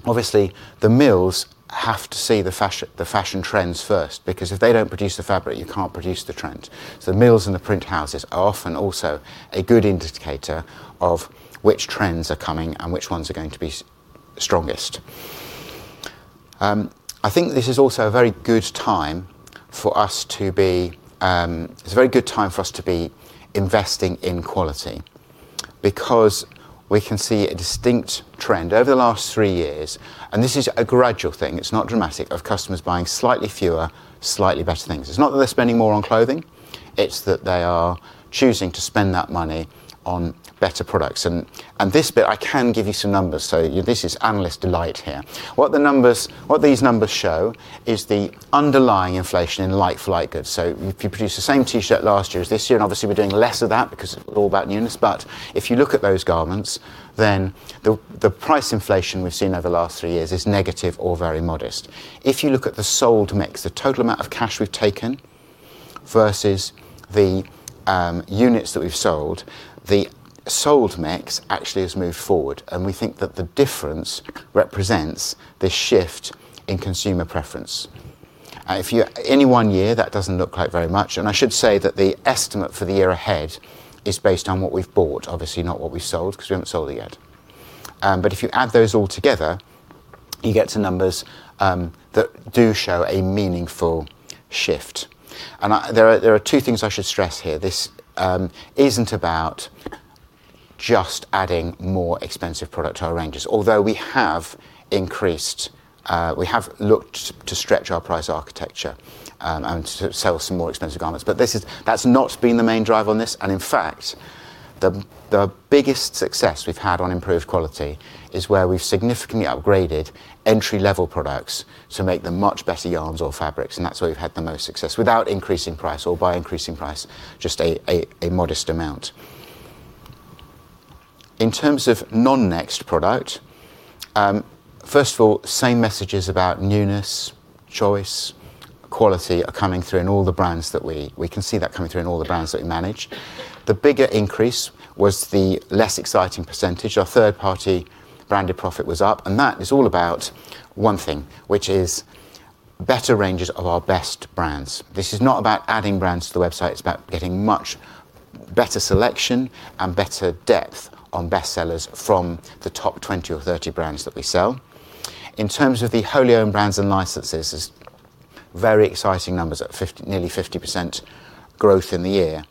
S2: obviously the mills have to see the fashion trends first, because if they don't produce the fabric, you can't produce the trend. So the mills and the print houses are often also a good indicator of which trends are coming and which ones are going to be strongest. I think this is also a very good time for us to be investing in quality because we can see a distinct trend over the last three years. This is a gradual thing, it's not dramatic, of customers buying slightly fewer, slightly better things. It's not that they're spending more on clothing, it's that they are choosing to spend that money on better products. This bit, I can give you some numbers. This is analyst delight here. What these numbers show is the underlying inflation in like-for-like goods. If you produce the same T-shirt last year as this year, and obviously we're doing less of that because it's all about newness, but if you look at those garments, then the price inflation we've seen over the last three years is negative or very modest. If you look at the sold mix, the total amount of cash we've taken versus the units that we've sold, the sold mix actually has moved forward. We think that the difference represents the shift in consumer preference. If any one year, that doesn't look like very much. I should say that the estimate for the year ahead is based on what we've bought, obviously not what we've sold, 'cause we haven't sold it yet. If you add those all together, you get to numbers that do show a meaningful shift. There are two things I should stress here. This isn't about just adding more expensive product to our ranges. Although we have increased, we have looked to stretch our price architecture and to sell some more expensive garments. This is—that's not been the main driver on this, and in fact, the biggest success we've had on improved quality is where we've significantly upgraded entry-level products to make them much better yarns or fabrics, and that's where we've had the most success without increasing price or by increasing price just a modest amount. In terms of non-Next product, first of all, same messages about newness, choice, quality are coming through in all the brands that we can see that coming through in all the brands that we manage. The bigger increase was the less exciting percentage. Our third-party branded profit was up, and that is all about one thing, which is better ranges of our best brands. This is not about adding brands to the website, it's about getting much better selection and better depth on bestsellers from the top 20 or 30 brands that we sell. In terms of the wholly owned brands and licenses is very exciting numbers at nearly 50% growth in the year.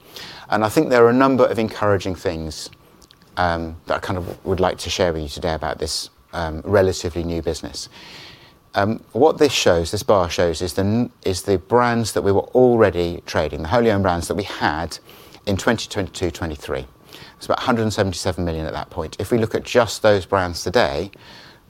S2: I think there are a number of encouraging things that I kind of would like to share with you today about this relatively new business. What this shows, this bar shows, is the brands that we were already trading, the wholly owned brands that we had in 2022, 2023. It's about 177 million at that point. If we look at just those brands today,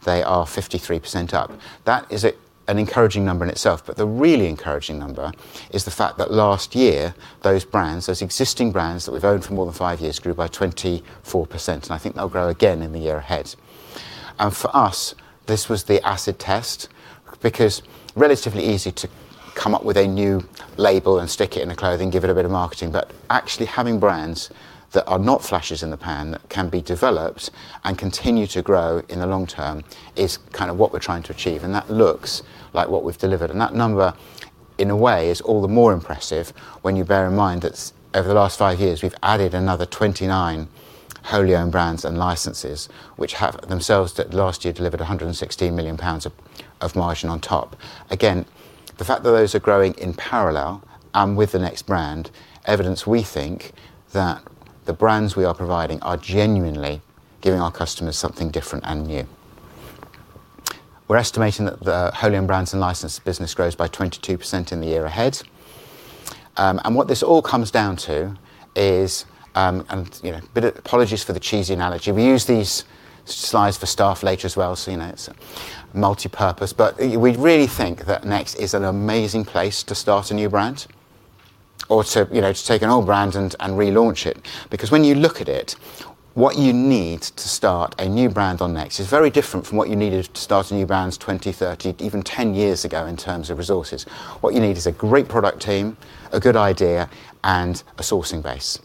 S2: they are 53% up. That is an encouraging number in itself. The really encouraging number is the fact that last year, those brands, those existing brands that we've owned for more than five years, grew by 24%. I think they'll grow again in the year ahead. For us, this was the acid test, because it's relatively easy to come up with a new label and stick it in the clothing, give it a bit of marketing. Actually having brands that are not flashes in the pan, that can be developed and continue to grow in the long term is kind of what we're trying to achieve. That looks like what we've delivered. That number, in a way, is all the more impressive when you bear in mind that over the last five years, we've added another 29 wholly owned brands and licenses, which have themselves that last year delivered 116 million pounds of margin on top. Again, the fact that those are growing in parallel with the NEXT brand is evidence we think that the brands we are providing are genuinely giving our customers something different and new. We're estimating that the wholly owned brands and license business grows by 22% in the year ahead. What this all comes down to is, you know, bit of apologies for the cheesy analogy. We use these slides for staff later as well, so, you know, it's multipurpose. We really think that NEXT is an amazing place to start a new brand or to, you know, to take an old brand and relaunch it. Because when you look at it, what you need to start a new brand on NEXT is very different from what you needed to start a new brands 20, 30, even 10 years ago in terms of resources. What you need is a great product team, a good idea, and a sourcing base.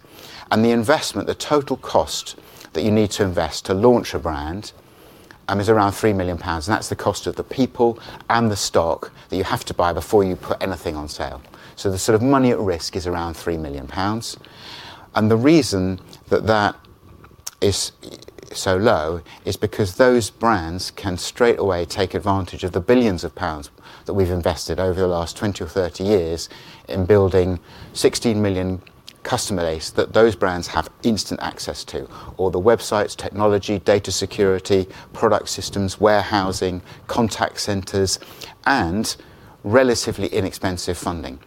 S2: The investment, the total cost that you need to invest to launch a brand, is around 3 million pounds, and that's the cost of the people and the stock that you have to buy before you put anything on sale. The sort of money at risk is around 3 million pounds. The reason that is so low is because those brands can straightaway take advantage of the billions pounds that we've invested over the last 20 or 30 years in building 16 million customer base that those brands have instant access to, all the websites, technology, data security, product systems, warehousing, contact centers and relatively inexpensive funding.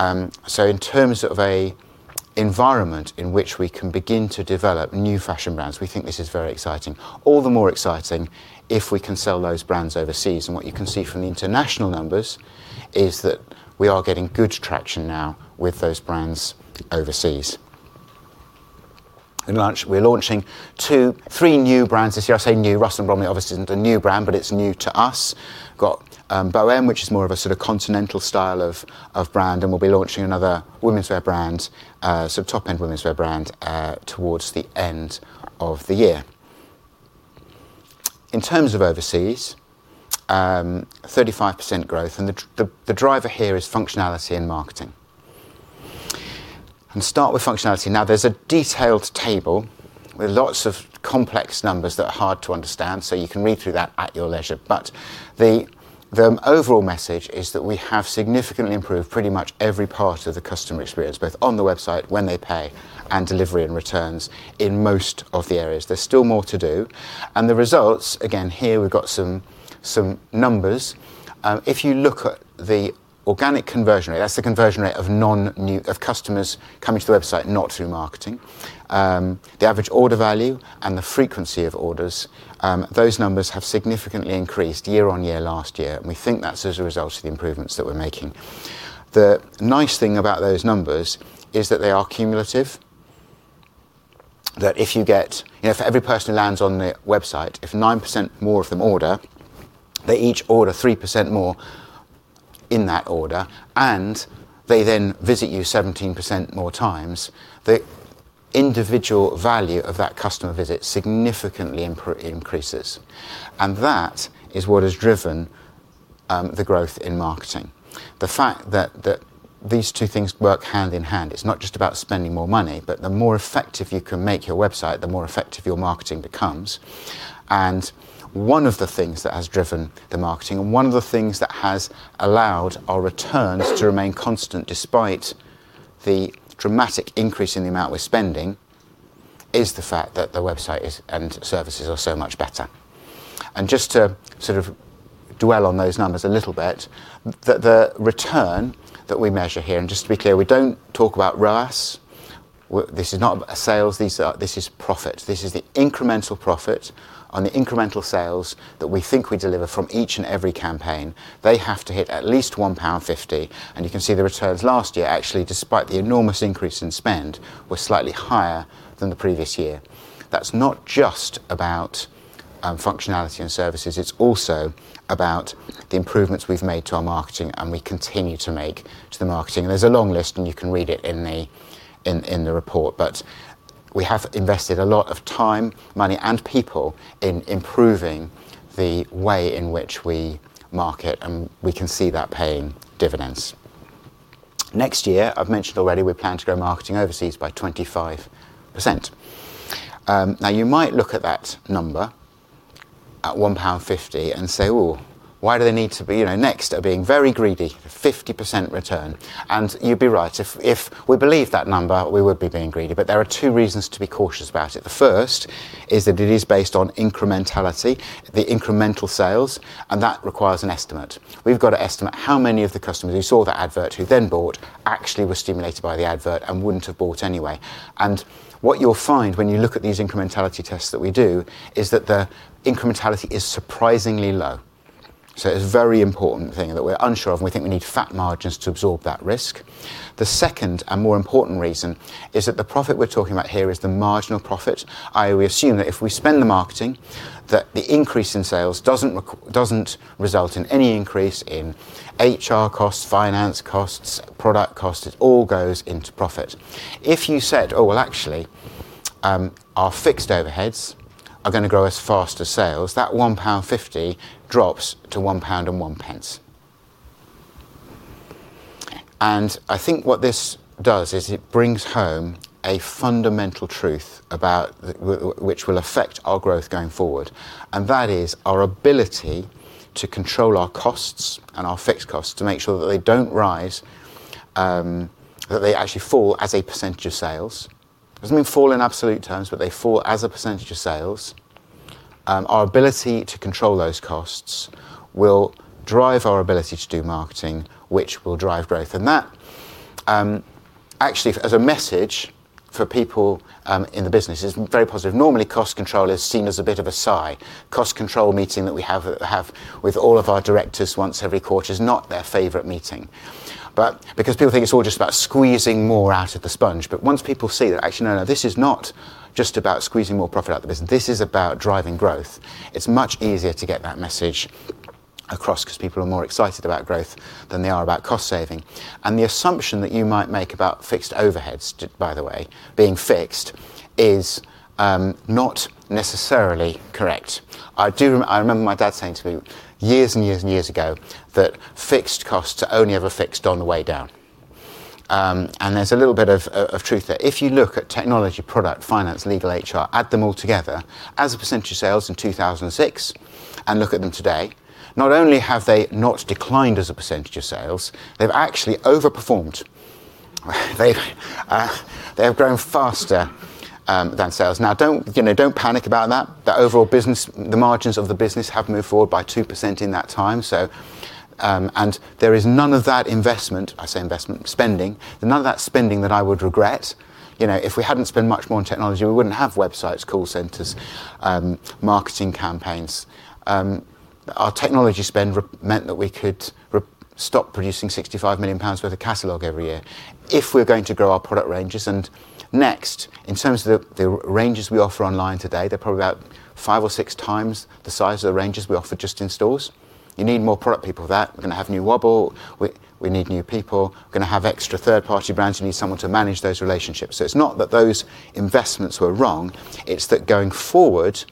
S2: In terms of an environment in which we can begin to develop new fashion brands, we think this is very exciting. All the more exciting if we can sell those brands overseas. What you can see from the international numbers is that we are getting good traction now with those brands overseas. We're launching 2, 3 new brands this year. I say new. Russell & Bromley obviously isn't a new brand, but it's new to us. We've got BHOĒM, which is more of a sort of continental style of brand, and we'll be launching another womenswear brand, so top-end womenswear brand, towards the end of the year. In terms of overseas, 35% growth, and the driver here is functionality and marketing. Start with functionality. Now, there's a detailed table with lots of complex numbers that are hard to understand, so you can read through that at your leisure. But the overall message is that we have significantly improved pretty much every part of the customer experience, both on the website when they pay and delivery and returns in most of the areas. There's still more to do. The results, again, here we've got some numbers. If you look at the organic conversion rate, that's the conversion rate of non-new, of customers coming to the website, not through marketing, the average order value and the frequency of orders, those numbers have significantly increased year on year last year, and we think that's as a result of the improvements that we're making. The nice thing about those numbers is that they are cumulative. That if you get, you know, for every person who lands on the website, if 9% more of them order, they each order 3% more in that order, and they then visit you 17% more times, the individual value of that customer visit significantly increases. That is what has driven the growth in marketing. The fact that these two things work hand in hand, it's not just about spending more money, but the more effective you can make your website, the more effective your marketing becomes. One of the things that has driven the marketing, and one of the things that has allowed our returns to remain constant despite the dramatic increase in the amount we're spending, is the fact that the website is, and services are so much better. Just to sort of dwell on those numbers a little bit, the return that we measure here, and just to be clear, we don't talk about ROAS, this is not a sales, these are, this is profit. This is the incremental profit on the incremental sales that we think we deliver from each and every campaign. They have to hit at least 1.50 pound, and you can see the returns last year actually, despite the enormous increase in spend, were slightly higher than the previous year. That's not just about functionality and services, it's also about the improvements we've made to our marketing and we continue to make to the marketing. There's a long list, and you can read it in the report. We have invested a lot of time, money, and people in improving the way in which we market, and we can see that paying dividends. Next year, I've mentioned already, we plan to grow marketing overseas by 25%. Now you might look at that number, at 1.50 pound, and say, "Ooh, why do they need to be, you know, NEXT are being very greedy, 50% return." You'd be right. If we believe that number, we would be being greedy. There are two reasons to be cautious about it. The first is that it is based on incrementality, the incremental sales, and that requires an estimate. We've got to estimate how many of the customers who saw that advert, who then bought, actually were stimulated by the advert and wouldn't have bought anyway. What you'll find when you look at these incrementality tests that we do is that the incrementality is surprisingly low. It's a very important thing that we're unsure of, and we think we need fat margins to absorb that risk. The second and more important reason is that the profit we're talking about here is the marginal profit. I always assume that if we spend on marketing, that the increase in sales doesn't result in any increase in HR costs, finance costs, product cost. It all goes into profit. If you said, "Oh, well, actually, our fixed overheads are gonna grow as fast as sales," that 1.50 pound drops to 1.01 pound. I think what this does is it brings home a fundamental truth about which will affect our growth going forward, and that is our ability to control our costs and our fixed costs to make sure that they don't rise, that they actually fall as a percentage of sales. Doesn't mean fall in absolute terms, but they fall as a percentage of sales. Our ability to control those costs will drive our ability to do marketing, which will drive growth. That, actually, as a message for people in the business is very positive. Normally, cost control is seen as a bit of a sigh. Cost control meeting that we have with all of our directors once every quarter is not their favorite meeting. Because people think it's all just about squeezing more out of the sponge. Once people see that actually no, this is not just about squeezing more profit out of the business, this is about driving growth, it's much easier to get that message across because people are more excited about growth than they are about cost saving. The assumption that you might make about fixed overheads, by the way, being fixed, is not necessarily correct. I remember my dad saying to me years and years and years ago that fixed costs are only ever fixed on the way down. There's a little bit of truth there. If you look at technology, product, finance, legal, HR, add them all together as a percentage of sales in 2006, and look at them today, not only have they not declined as a percentage of sales, they've actually overperformed. They've grown faster than sales. Now, don't you know, don't panic about that. The overall business, the margins of the business have moved forward by 2% in that time, so there is none of that investment, I say investment, spending, there's none of that spending that I would regret. You know, if we hadn't spent much more on technology, we wouldn't have websites, call centers, marketing campaigns. Our technology spend meant that we could stop producing 65 million pounds worth of catalog every year if we're going to grow our product ranges. Next, in terms of the ranges we offer online today, they're probably about five or six times the size of the ranges we offer just in stores. You need more product people for that. We're gonna have new WOBL. We need new people. We're gonna have extra third-party brands. You need someone to manage those relationships. It's not that those investments were wrong, it's that going forward,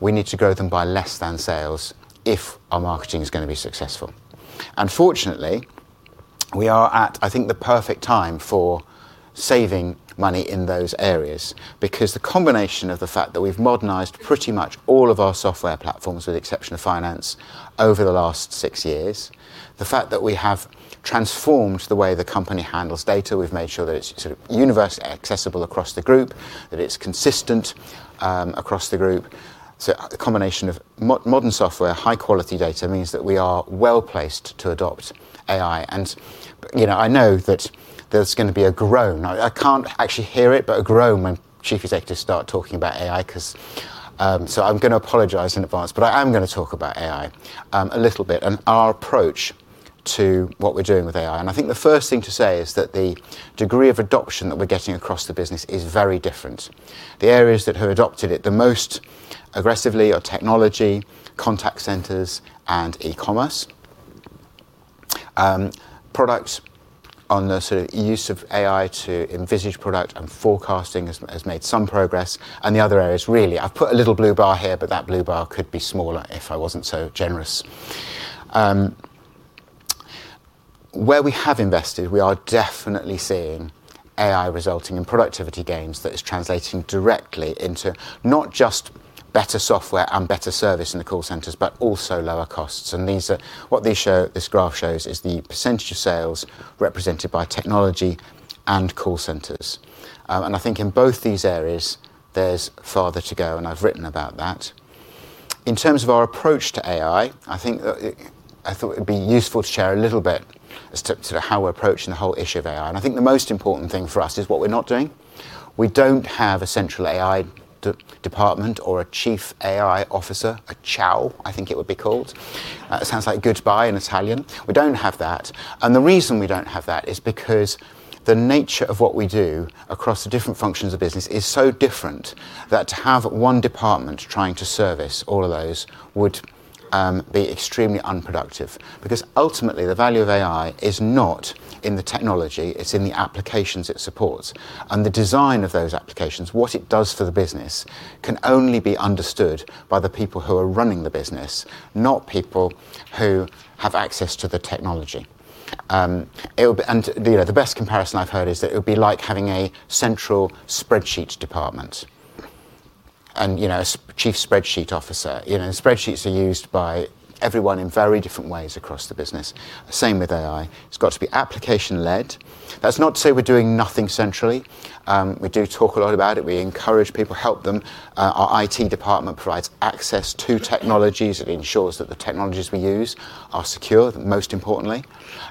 S2: we need to grow them by less than sales if our marketing is gonna be successful. Fortunately, we are at, I think, the perfect time for saving money in those areas, because the combination of the fact that we've modernized pretty much all of our software platforms, with the exception of finance, over the last six years, the fact that we have transformed the way the company handles data, we've made sure that it's sort of universally accessible across the group, that it's consistent across the group. The combination of modern software, high-quality data means that we are well-placed to adopt AI. You know, I know that there's gonna be a groan. I can't actually hear it, but a groan when chief executives start talking about AI 'cause so I'm gonna apologize in advance, but I am gonna talk about AI a little bit and our approach to what we're doing with AI. I think the first thing to say is that the degree of adoption that we're getting across the business is very different. The areas that have adopted it the most aggressively are technology, contact centers, and e-commerce. Products on the sort of use of AI to envisage product and forecasting has made some progress. The other areas, really, I've put a little blue bar here, but that blue bar could be smaller if I wasn't so generous. Where we have invested, we are definitely seeing AI resulting in productivity gains that is translating directly into not just better software and better service in the call centers, but also lower costs. These are what these show this graph shows is the percentage of sales represented by technology and call centers. I think in both these areas, there's farther to go, and I've written about that. In terms of our approach to AI, I think I thought it would be useful to share a little bit as to, sort of how we're approaching the whole issue of AI. I think the most important thing for us is what we're not doing. We don't have a central AI department or a chief AI officer, a CAO, I think it would be called. It sounds like goodbye in Italian. We don't have that. The reason we don't have that is because the nature of what we do across the different functions of business is so different that to have one department trying to service all of those would be extremely unproductive. Because ultimately, the value of AI is not in the technology, it's in the applications it supports. The design of those applications, what it does for the business, can only be understood by the people who are running the business, not people who have access to the technology. You know, the best comparison I've heard is that it would be like having a central spreadsheet department and, you know, a chief spreadsheet officer. You know, spreadsheets are used by everyone in very different ways across the business. Same with AI. It's got to be application led. That's not to say we're doing nothing centrally. We do talk a lot about it. We encourage people, help them. Our IT department provides access to technologies. It ensures that the technologies we use are secure, most importantly,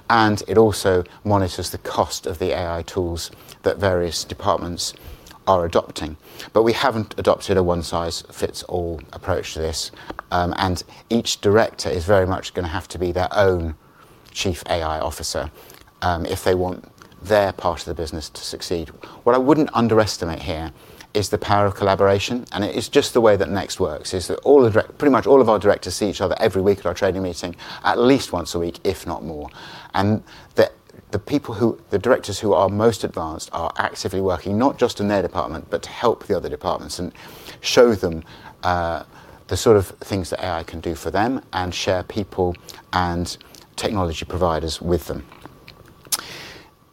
S2: and it also monitors the cost of the AI tools that various departments are adopting. We haven't adopted a one size fits all approach to this, and each director is very much gonna have to be their own chief AI officer, if they want their part of the business to succeed. What I wouldn't underestimate here is the power of collaboration, and it is just the way that NEXT works, is that pretty much all of our directors see each other every week at our trading meeting, at least once a week, if not more. The directors who are most advanced are actively working, not just in their department, but to help the other departments and show them the sort of things that AI can do for them and share people and technology providers with them.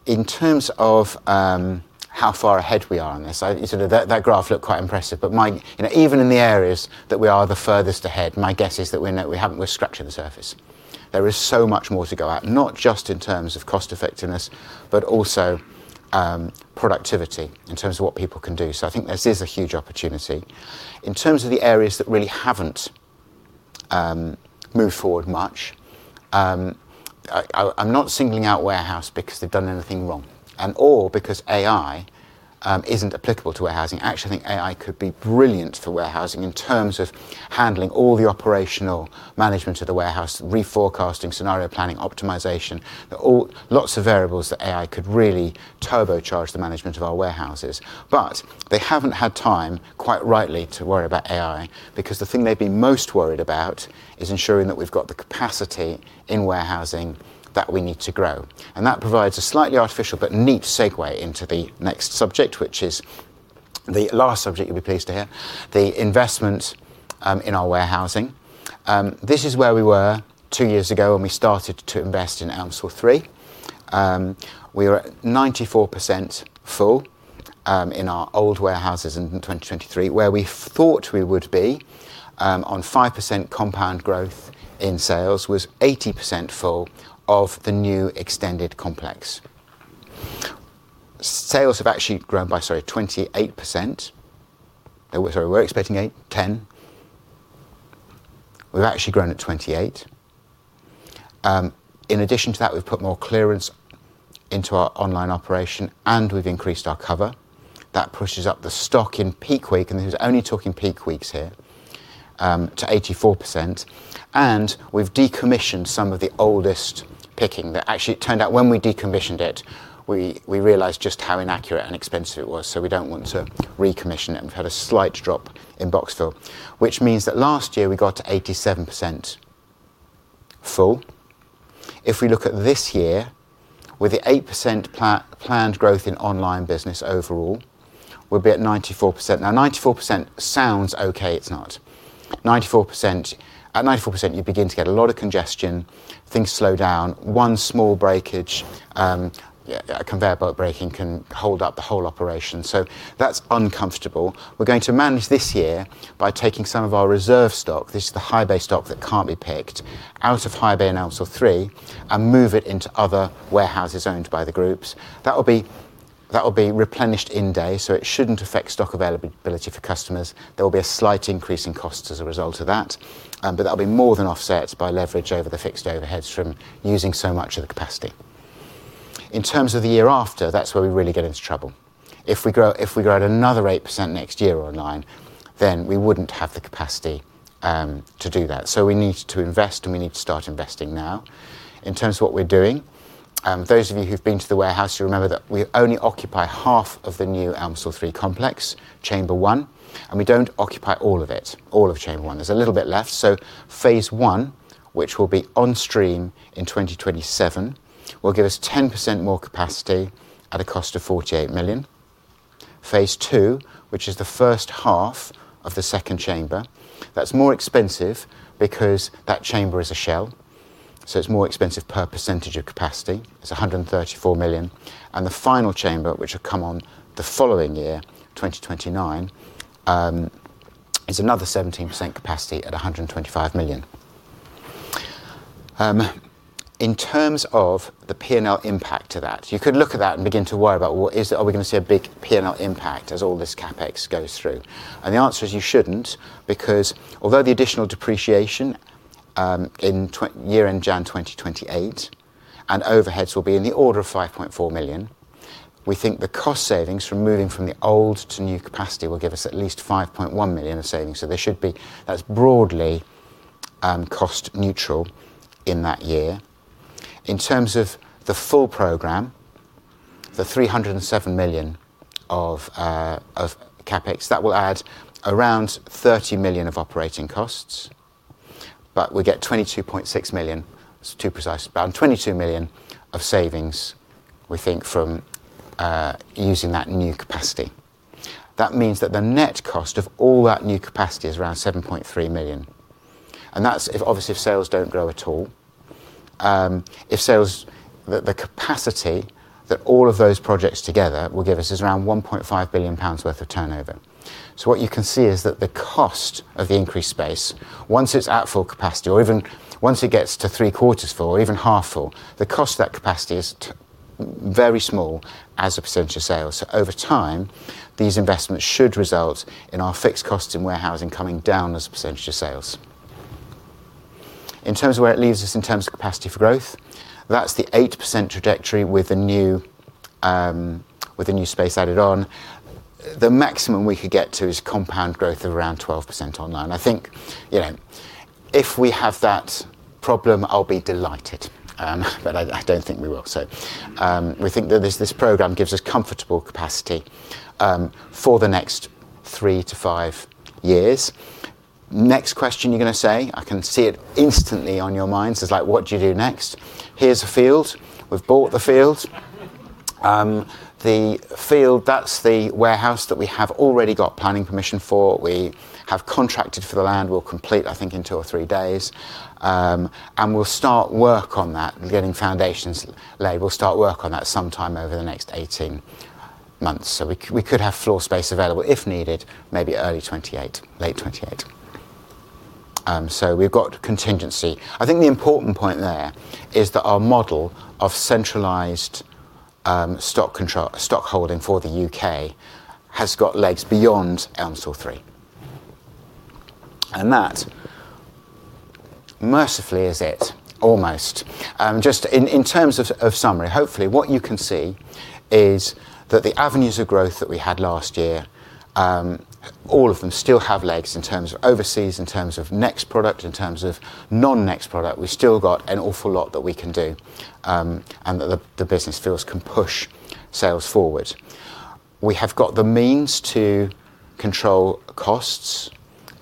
S2: In terms of how far ahead we are on this, you sort of. That graph looked quite impressive, but my. You know, even in the areas that we are the furthest ahead, my guess is that we haven't, we're scratching the surface. There is so much more to go at, not just in terms of cost effectiveness, but also, productivity in terms of what people can do. I think this is a huge opportunity. In terms of the areas that really haven't moved forward much, I'm not singling out warehouse because they've done anything wrong and/or because AI isn't applicable to warehousing. I actually think AI could be brilliant for warehousing in terms of handling all the operational management of the warehouse, reforecasting, scenario planning, optimization. There are a lot of variables that AI could really turbocharge the management of our warehouses. But they haven't had time, quite rightly, to worry about AI because the thing they've been most worried about is ensuring that we've got the capacity in warehousing that we need to grow. That provides a slightly artificial but neat segue into the next subject, which is the last subject, you'll be pleased to hear, the investment in our warehousing. This is where we were two years ago when we started to invest in Elmsall 3. We were at 94% full in our old warehouses in 2023. Where we thought we would be on 5% compound growth in sales was 80% full of the new extended complex. Sales have actually grown by 28%. We were expecting 8%-10%. We've actually grown at 28%. In addition to that, we've put more clearance into our online operation, and we've increased our cover. That pushes up the stock in peak week, and this is only talking peak weeks here to 84%. We've decommissioned some of the oldest picking. Actually, it turned out when we decommissioned it, we realized just how inaccurate and expensive it was, so we don't want to recommission it. We've had a slight drop in box fill, which means that last year we got to 87% full. If we look at this year, with the 8% planned growth in online business overall, we'll be at 94%. Now, 94% sounds okay. It's not. At 94%, you begin to get a lot of congestion, things slow down. One small breakage, a conveyor belt breaking, can hold up the whole operation, so that's uncomfortable. We're going to manage this year by taking some of our reserve stock. This is the high bay stock that can't be picked out of high bay in Elmsall 3 and move it into other warehouses owned by the groups. That will be replenished in a day, so it shouldn't affect stock availability for customers. There will be a slight increase in costs as a result of that, but that'll be more than offset by leverage over the fixed overheads from using so much of the capacity. In terms of the year after, that's where we really get into trouble. If we grow at another 8% next year online, then we wouldn't have the capacity to do that. We need to invest, and we need to start investing now. In terms of what we're doing, those of you who've been to the warehouse, you remember that we only occupy half of the new Elmsall 3 complex, chamber one, and we don't occupy all of it, all of chamber one. There's a little bit left. Phase 1, which will be on stream in 2027, will give us 10% more capacity at a cost of 48 million. Phase 2, which is the first half of the second chamber, that's more expensive because that chamber is a shell, so it's more expensive per percentage of capacity. It's 134 million. The final chamber, which will come on the following year, 2029, is another 17% capacity at 125 million. In terms of the P&L impact to that, you could look at that and begin to worry about what is it, are we gonna see a big P&L impact as all this CapEx goes through. The answer is you shouldn't, because although the additional depreciation in 2027 and January 2028, and overheads will be in the order of 5.4 million, we think the cost savings from moving from the old to new capacity will give us at least 5.1 million in savings. That's broadly cost neutral in that year. In terms of the full program, the 307 million of CapEx, that will add around 30 million of operating costs. But we get 22.6 million, it's too precise, around 22 million of savings, we think, from using that new capacity. That means that the net cost of all that new capacity is around 7.3 million. That's if, obviously, if sales don't grow at all. The capacity that all of those projects together will give us is around 1.5 billion pounds worth of turnover. What you can see is that the cost of the increased space, once it's at full capacity or even once it gets to three-quarters full or even half full, the cost of that capacity is very small as a percentage of sales. Over time, these investments should result in our fixed costs in warehousing coming down as a percentage of sales. In terms of where it leaves us in terms of capacity for growth, that's the 8% trajectory with the new space added on. The maximum we could get to is compound growth of around 12% online. I think, you know, if we have that problem, I'll be delighted, but I don't think we will. We think that this program gives us comfortable capacity for the next three to five years. Next question you're gonna say, I can see it instantly on your minds, is like what do you do next? Here's a field. We've bought the field. The field, that's the warehouse that we have already got planning permission for. We have contracted for the land. We'll complete, I think, in two or three days. We'll start work on that, getting foundations laid. We'll start work on that sometime over the next 18 months. We could have floor space available, if needed, maybe early 2028, late 2028. So we've got contingency. I think the important point there is that our model of centralized stock control, stock holding for the UK has got legs beyond Elmsall 3. That mercifully is it almost. Just in terms of summary, hopefully what you can see is that the avenues of growth that we had last year, all of them still have legs in terms of overseas, in terms of NEXT product, in terms of non-NEXT product. We've still got an awful lot that we can do, and that the business feels can push sales forward. We have got the means to control costs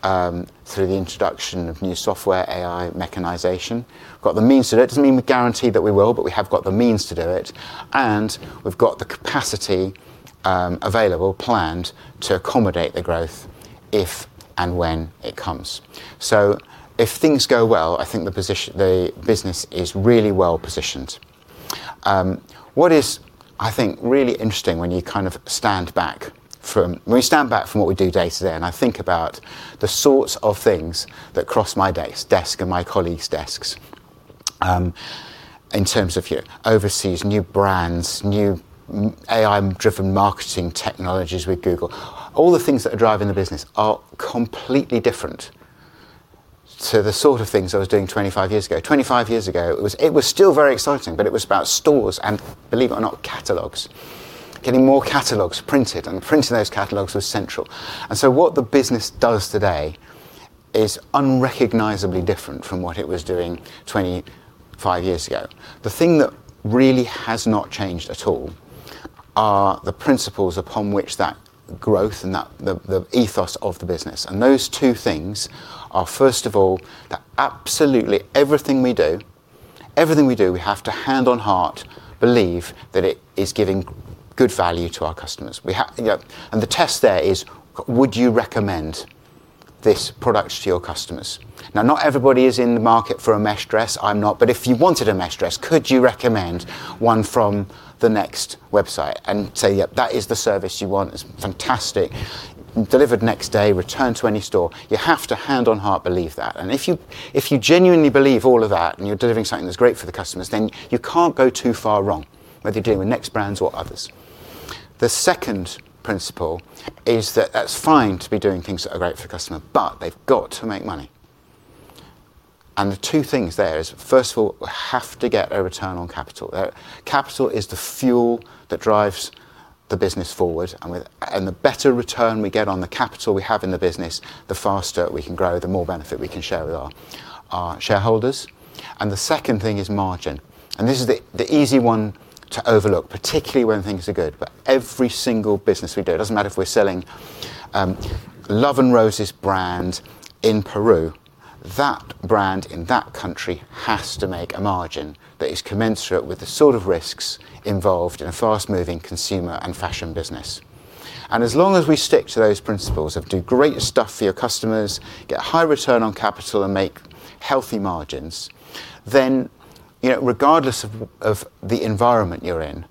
S2: through the introduction of new software, AI, mechanization. Got the means to do it, doesn't mean we guarantee that we will, but we have got the means to do it, and we've got the capacity available, planned to accommodate the growth if and when it comes. If things go well, I think the business is really well-positioned. What is, I think, really interesting when you stand back from what we do day-to-day, and I think about the sorts of things that cross my desk and my colleagues' desks, in terms of your overseas, new brands, new AI-driven marketing technologies with Google, all the things that are driving the business are completely different to the sort of things I was doing 25 years ago. 25 years ago, it was still very exciting, but it was about stores and, believe it or not, catalogs. Getting more catalogs printed and printing those catalogs was central. What the business does today is unrecognizably different from what it was doing 25 years ago. The thing that really has not changed at all are the principles upon which that growth and the ethos of the business. Those two things are, first of all, that absolutely everything we do, we have to hand on heart believe that it is giving good value to our customers. You know, the test there is, would you recommend this product to your customers? Now, not everybody is in the market for a mesh dress. I'm not. But if you wanted a mesh dress, could you recommend one from the NEXT website and say, "Yep, that is the service you want. It's fantastic. Delivered next day, return to any store." You have to hand on heart believe that. If you genuinely believe all of that and you're delivering something that's great for the customers, then you can't go too far wrong, whether you're dealing with NEXT brands or others. The second principle is that that's fine to be doing things that are great for the customer, but they've got to make money. The two things there is, first of all, we have to get a return on capital. Capital is the fuel that drives the business forward, and the better return we get on the capital we have in the business, the faster we can grow, the more benefit we can share with our shareholders. The second thing is margin. This is the easy one to overlook, particularly when things are good. Every single business we do, it doesn't matter if we're selling Love & Roses brand in Peru, that brand in that country has to make a margin that is commensurate with the sort of risks involved in a fast-moving consumer and fashion business. As long as we stick to those principles of do great stuff for your customers, get high return on capital, and make healthy margins, then, you know, regardless of the environment you're in,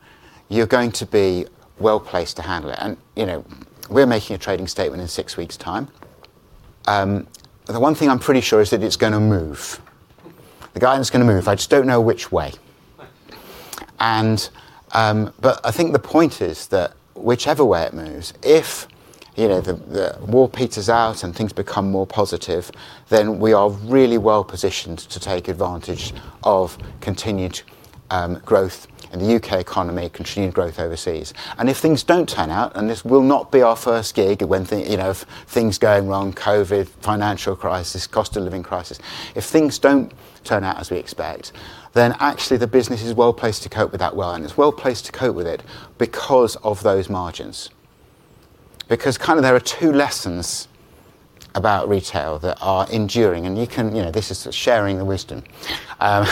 S2: you're going to be well-placed to handle it. You know, we're making a trading statement in six weeks' time. The one thing I'm pretty sure is that it's gonna move. The guide is gonna move. I just don't know which way. But I think the point is that whichever way it moves, if, you know, the war peters out and things become more positive, then we are really well-positioned to take advantage of continued growth in the U.K. economy, continued growth overseas. If things don't turn out, and this will not be our first gig when things go wrong, COVID, financial crisis, cost of living crisis. If things don't turn out as we expect, then actually the business is well-placed to cope with that well, and it's well-placed to cope with it because of those margins. Because kind of there are two lessons about retail that are enduring, and you can, you know, this is sharing the wisdom. There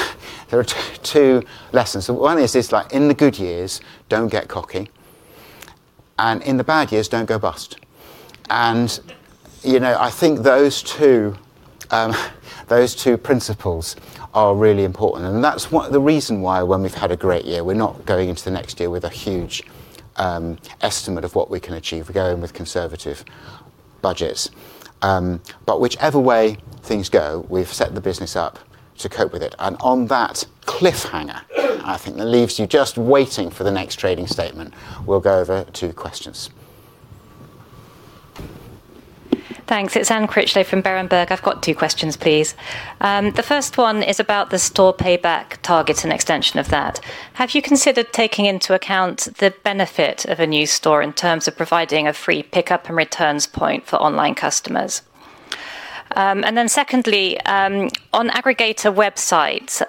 S2: are two lessons. One is like in the good years, don't get cocky. In the bad years, don't go bust. You know, I think those two principles are really important. That's why the reason why when we've had a great year, we're not going into the next year with a huge estimate of what we can achieve. We're going with conservative budgets. Whichever way things go, we've set the business up to cope with it. On that cliffhanger, I think that leaves you just waiting for the next trading statement. We'll go over to questions.
S3: Thanks. It's Anne Critchlow from Berenberg. I've got two questions, please. The first one is about the store payback targets and extension of that. Have you considered taking into account the benefit of a new store in terms of providing a free pickup and returns point for online customers? And then secondly, on aggregator websites,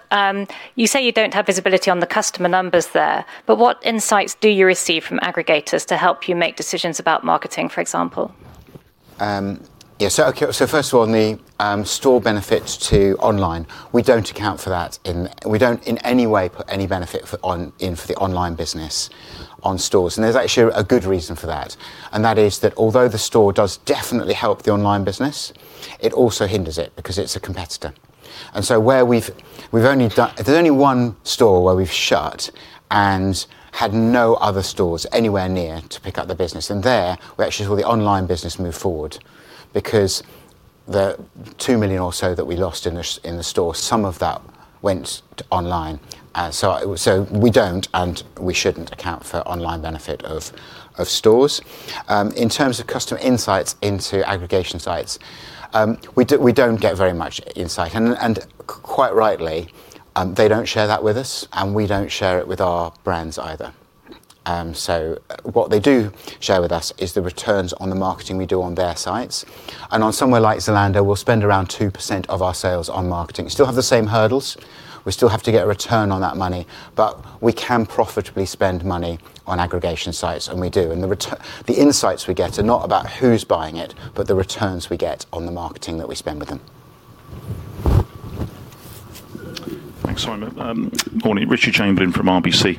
S3: you say you don't have visibility on the customer numbers there, but what insights do you receive from aggregators to help you make decisions about marketing, for example?
S2: First of all, on the store benefit to online. We don't account for that. We don't in any way put any benefit in for the online business on stores. There's actually a good reason for that. That is that although the store does definitely help the online business, it also hinders it because it's a competitor. There's only one store where we've shut and had no other stores anywhere near to pick up the business. There we actually saw the online business move forward because the 2 million or so that we lost in the store, some of that went online. We don't, and we shouldn't account for online benefit of stores. In terms of customer insights into aggregation sites, we don't get very much insight and quite rightly, they don't share that with us, and we don't share it with our brands either. What they do share with us is the returns on the marketing we do on their sites. On somewhere like Zalando, we'll spend around 2% of our sales on marketing. We still have the same hurdles. We still have to get a return on that money. We can profitably spend money on aggregation sites, and we do. The insights we get are not about who's buying it, but the returns we get on the marketing that we spend with them.
S4: Thanks, Simon. Morning. Richard Chamberlain from RBC.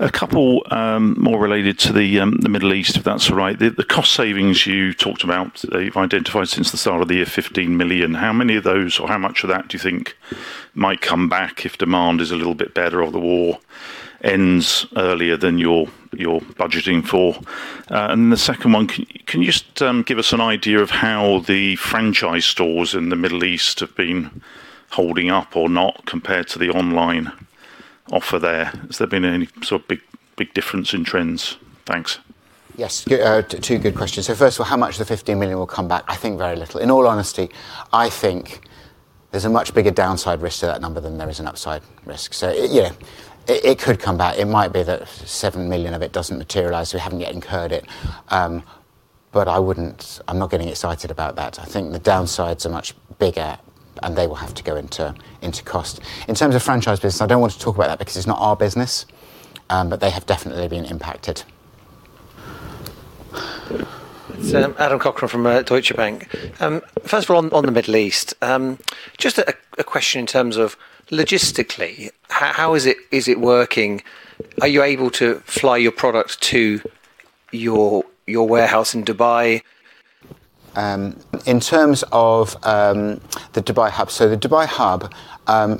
S4: A couple more related to the Middle East, if that's all right. The cost savings you talked about that you've identified since the start of the year, 15 million. How many of those or how much of that do you think might come back if demand is a little bit better or the war ends earlier than you're budgeting for? The second one. Can you just give us an idea of how the franchise stores in the Middle East have been holding up or not compared to the online offer there? Has there been any sort of big difference in trends? Thanks.
S2: Yeah, two good questions. First of all, how much of the 15 million will come back? I think very little. In all honesty, I think there's a much bigger downside risk to that number than there is an upside risk. Yeah, it could come back. It might be that 7 million of it doesn't materialize, so we haven't yet incurred it. But I'm not getting excited about that. I think the downsides are much bigger, and they will have to go into cost. In terms of franchise business, I don't want to talk about that because it's not our business, but they have definitely been impacted.
S5: It's Adam Cochrane from Deutsche Bank. First of all on the Middle East. Just a question in terms of logistics, how is it working? Are you able to fly your product to your warehouse in Dubai?
S2: In terms of the Dubai hub. The Dubai hub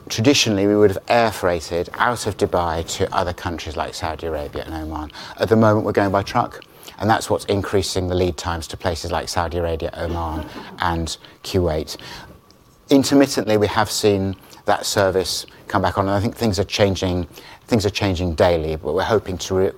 S2: traditionally we would have air freighted out of Dubai to other countries like Saudi Arabia and Oman. At the moment, we're going by truck, and that's what's increasing the lead times to places like Saudi Arabia, Oman, and Kuwait. Intermittently, we have seen that service come back on, and I think things are changing daily. We're hoping to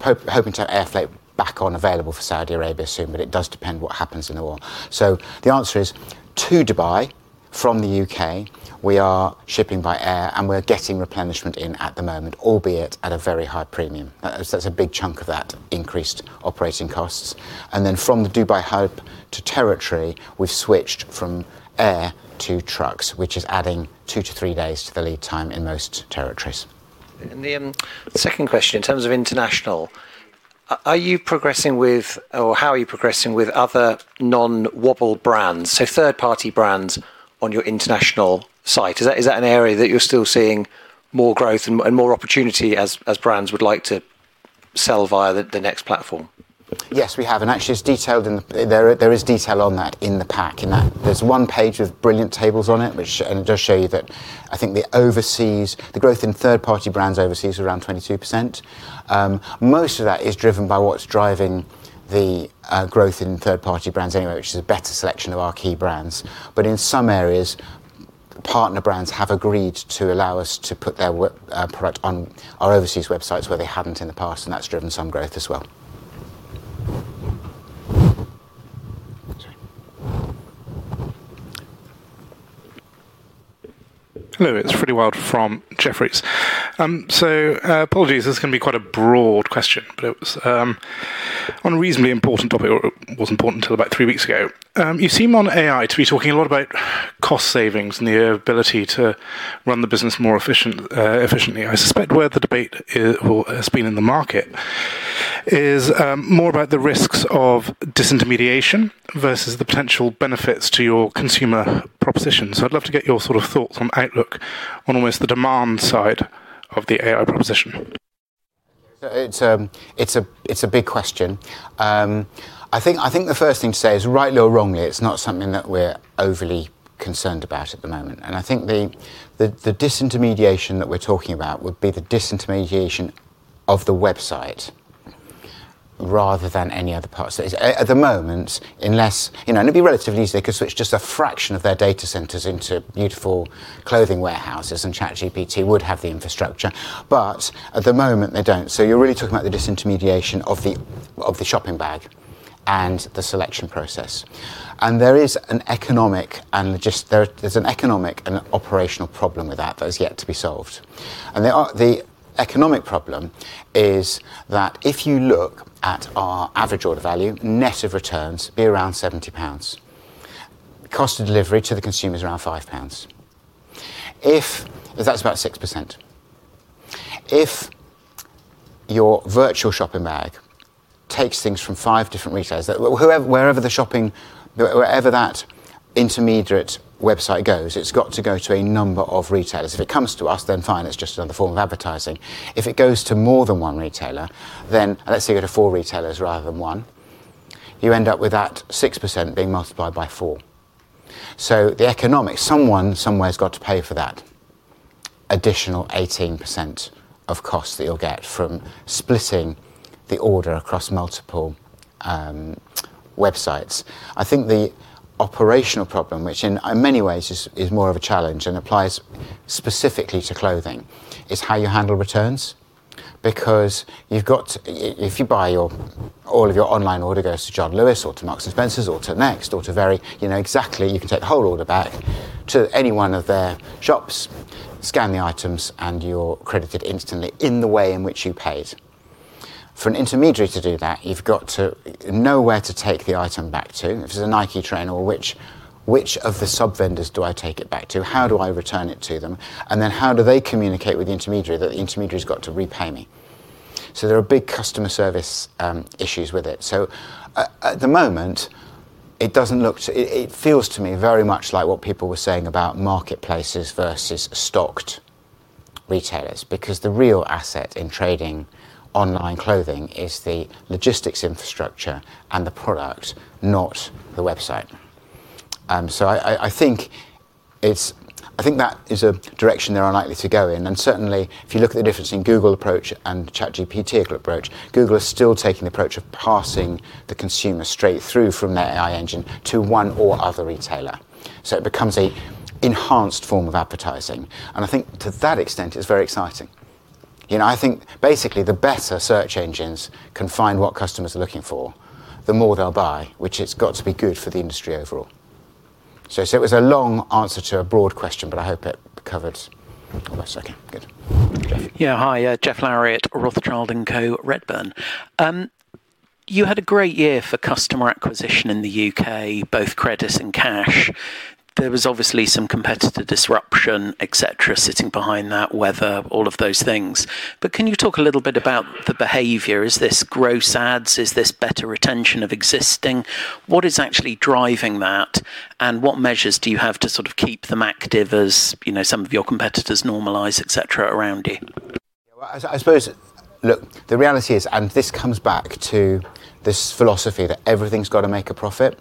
S2: have air freight back on available for Saudi Arabia soon, but it does depend what happens in the war. The answer is to Dubai. From the U.K., we are shipping by air, and we're getting replenishment in at the moment, albeit at a very high premium. That's a big chunk of that increased operating costs. From the Dubai hub to territory, we've switched from air to trucks, which is adding two to three days to the lead time in most territories.
S5: The second question, in terms of international, are you progressing with or how are you progressing with other non-WOBL brands, so third-party brands on your international site? Is that an area that you're still seeing more growth and more opportunity as brands would like to sell via the NEXT platform?
S2: Yes, we have. Actually it's detailed in the pack. There is detail on that in the pack. In that there's one page of brilliant tables on it which it does show you that I think the overseas growth in third party brands overseas is around 22%. Most of that is driven by what's driving the growth in third party brands anyway, which is a better selection of our key brands. In some areas, partner brands have agreed to allow us to put their product on our overseas websites where they haven't in the past, and that's driven some growth as well.
S6: Hello, it's Freddie Wild from Jefferies. Apologies, this is gonna be quite a broad question, but it was on a reasonably important topic or was important till about three weeks ago. You seem on AI to be talking a lot about cost savings and the ability to run the business more efficiently. I suspect where the debate or has been in the market is more about the risks of disintermediation versus the potential benefits to your consumer proposition. I'd love to get your sort of thoughts on outlook on almost the demand side of the AI proposition.
S2: It's a big question. I think the first thing to say is, rightly or wrongly, it's not something that we're overly concerned about at the moment. I think the disintermediation that we're talking about would be the disintermediation of the website rather than any other parts. At the moment. You know, it'd be relatively easy, they could switch just a fraction of their data centers into beautiful clothing warehouses, and ChatGPT would have the infrastructure. But at the moment they don't. You're really talking about the disintermediation of the shopping bag and the selection process. There's an economic and operational problem with that that is yet to be solved. The economic problem is that if you look at our average order value, net of returns, is around 70 pounds. Cost of delivery to the consumer is around 5 pounds. Because that's about 6%. If your virtual shopping bag takes things from five different retailers, whoever, wherever the shopping, wherever that intermediate website goes, it's got to go to a number of retailers. If it comes to us, then fine, it's just another form of advertising. If it goes to more than one retailer, then let's say you go to four retailers rather than one, you end up with that 6% being multiplied by four. The economics, someone somewhere's got to pay for that additional 18% of cost that you'll get from splitting the order across multiple websites. I think the operational problem, which in many ways is more of a challenge and applies specifically to clothing, is how you handle returns. Because if all of your online order goes to John Lewis or to Marks & Spencer or to NEXT or to Very, you know exactly you can take the whole order back to any one of their shops, scan the items, and you're credited instantly in the way in which you paid. For an intermediary to do that, you've got to know where to take the item back to. If there's a Nike trainer or which of the sub-vendors do I take it back to? How do I return it to them? And then how do they communicate with the intermediary that the intermediary's got to repay me? There are big customer service issues with it. At the moment, it doesn't look to. It feels to me very much like what people were saying about marketplaces versus stocked retailers, because the real asset in trading online clothing is the logistics infrastructure and the product, not the website. I think that is a direction they're unlikely to go in. Certainly if you look at the difference in Google approach and ChatGPT approach, Google is still taking the approach of passing the consumer straight through from their AI engine to one or other retailer. It becomes an enhanced form of advertising. I think to that extent it's very exciting. I think basically the better search engines can find what customers are looking for, the more they'll buy, which has got to be good for the industry overall. It was a long answer to a broad question, but I hope it covered all those. Okay, good.
S7: Yeah. Hi. Geoff Lowery at Rothschild & Co Redburn. You had a great year for customer acquisition in the U.K., both credits and cash. There was obviously some competitor disruption, et cetera, sitting behind that, weather, all of those things. Can you talk a little bit about the behavior? Is this gross adds? Is this better retention of existing? What is actually driving that? What measures do you have to sort of keep them active as, you know, some of your competitors normalize, et cetera, around you? I suppose, look, the reality is, this comes back to this philosophy that everything's got to make a profit.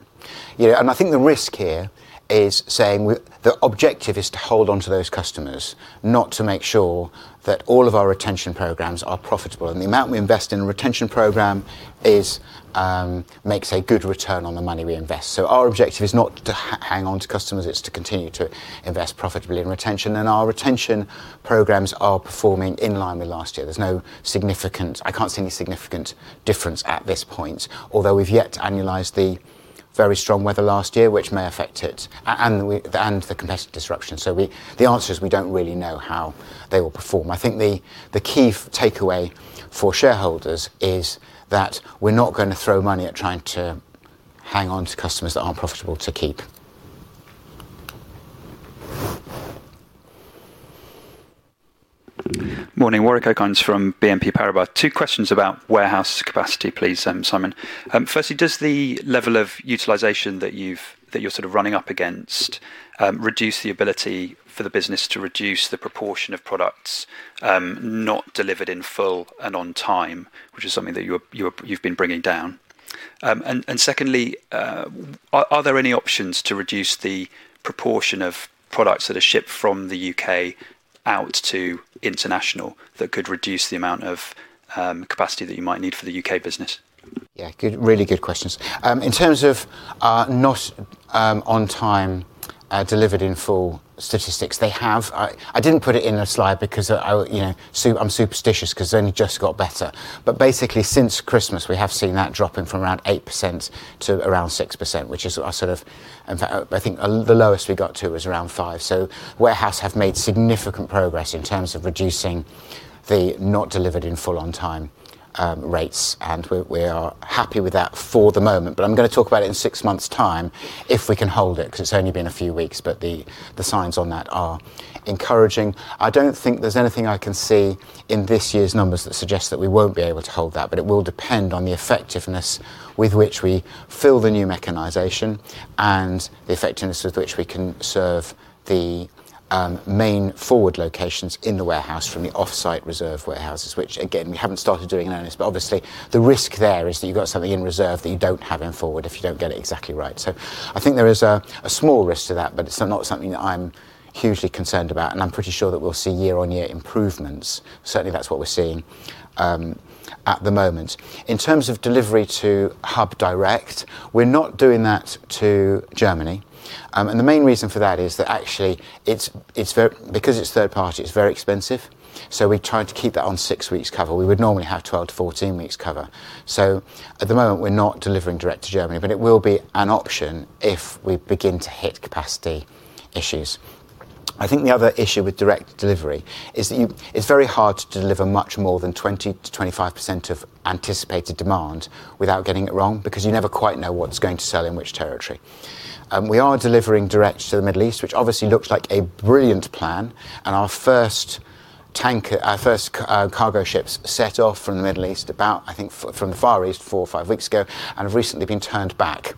S7: You know, I think the risk here is saying the objective is to hold on to those customers, not to make sure that all of our retention programs are profitable.
S2: The amount we invest in a retention program is, makes a good return on the money we invest. Our objective is not to hang on to customers, it's to continue to invest profitably in retention. Our retention programs are performing in line with last year. There's no significant difference at this point, although we've yet to annualize the very strong weather last year, which may affect it, and the competitive disruption. The answer is we don't really know how they will perform. I think the key takeaway for shareholders is that we're not gonna throw money at trying to hang on to customers that aren't profitable to keep.
S8: Morning. Warwick Okines from BNP Paribas. Two questions about warehouse capacity, please, Simon. Firstly, does the level of utilization that you're sort of running up against reduce the ability for the business to reduce the proportion of products not delivered in full and on time, which is something that you've been bringing down? Secondly, are there any options to reduce the proportion of products that are shipped from the U.K. out to international that could reduce the amount of capacity that you might need for the U.K. business?
S2: Yeah. Good really good questions. In terms of not on time delivered in full statistics, I didn't put it in a slide because I you know I'm superstitious 'cause they only just got better. Basically, since Christmas, we have seen that dropping from around 8%-6%, which is a sort of. In fact, I think the lowest we got to was around 5%. Warehouse have made significant progress in terms of reducing the not delivered in full on time rates, and we are happy with that for the moment, but I'm gonna talk about it in six months' time if we can hold it, 'cause it's only been a few weeks, but the signs on that are encouraging. I don't think there's anything I can see in this year's numbers that suggest that we won't be able to hold that, but it will depend on the effectiveness with which we fill the new mechanization and the effectiveness with which we can serve the main forward locations in the warehouse from the offsite reserve warehouses, which again, we haven't started doing in earnest. Obviously, the risk there is that you've got something in reserve that you don't have in forward if you don't get it exactly right. I think there is a small risk to that, but it's not something that I'm hugely concerned about, and I'm pretty sure that we'll see year-on-year improvements. Certainly, that's what we're seeing at the moment. In terms of delivery to hub direct, we're not doing that to Germany. The main reason for that is that actually it's very expensive because it's third party, so we're trying to keep that on six weeks cover. We would normally have 12-14 weeks cover. At the moment, we're not delivering direct to Germany, but it will be an option if we begin to hit capacity issues. I think the other issue with direct delivery is that it's very hard to deliver much more than 20%-25% of anticipated demand without getting it wrong because you never quite know what's going to sell in which territory. We are delivering direct to the Middle East, which obviously looks like a brilliant plan, and our first cargo ships set off from the Far East four or five weeks ago, and have recently been turned back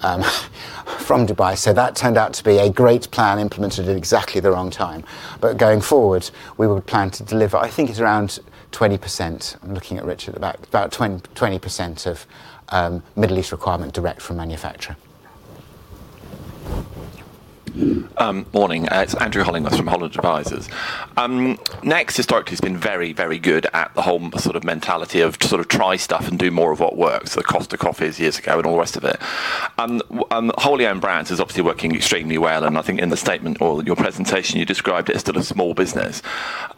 S2: from Dubai. That turned out to be a great plan implemented at exactly the wrong time. Going forward, we would plan to deliver, I think it's around 20%. I'm looking at Richard about about 20% of Middle East requirement direct from manufacturer.
S9: Morning. It's Andrew Hollingworth from Holland Advisors. NEXT historically has been very good at the whole sort of mentality of sort of try stuff and do more of what works, the cost of coffees years ago and all the rest of it. Wholly owned brands is obviously working extremely well, and I think in the statement or your presentation, you described it as still a small business.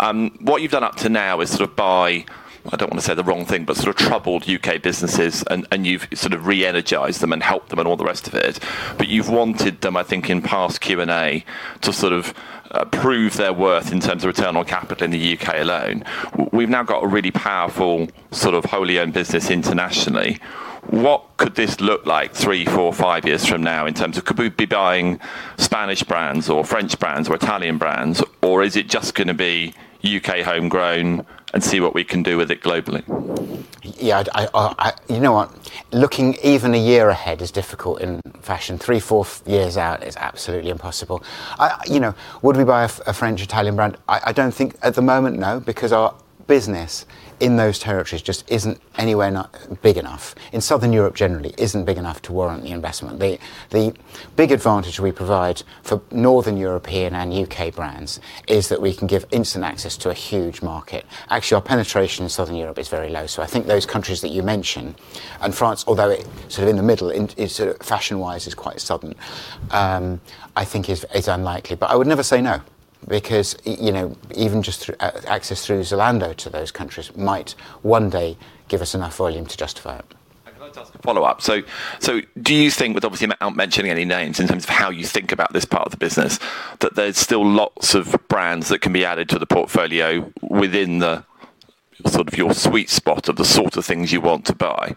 S9: What you've done up to now is sort of buy, I don't wanna say the wrong thing, but sort of troubled U.K. businesses and you've sort of re-energized them and helped them and all the rest of it. You've wanted them, I think in past Q&A, to sort of prove their worth in terms of return on capital in the U.K. alone. We've now got a really powerful sort of wholly owned business internationally. What could this look like three, four, five years from now in terms of could we be buying Spanish brands or French brands or Italian brands, or is it just gonna be U.K. homegrown and see what we can do with it globally?
S2: You know what? Looking even a year ahead is difficult in fashion. Three, four years out is absolutely impossible. You know, would we buy a French, Italian brand? I don't think at the moment, no, because our business in those territories just isn't anywhere near big enough. Our business in Southern Europe generally isn't big enough to warrant the investment. The big advantage we provide for Northern European and U.K. brands is that we can give instant access to a huge market. Actually, our penetration in Southern Europe is very low. I think those countries that you mentioned, and France, although it is sort of in the middle, in sort of fashion wise, is quite southern. I think it is unlikely. I would never say no because you know, even just through access through Zalando to those countries might one day give us enough volume to justify it.
S9: I'd like to ask a follow-up. Do you think with obviously without mentioning any names in terms of how you think about this part of the business, that there's still lots of brands that can be added to the portfolio within the sort of your sweet spot of the sort of things you want to buy?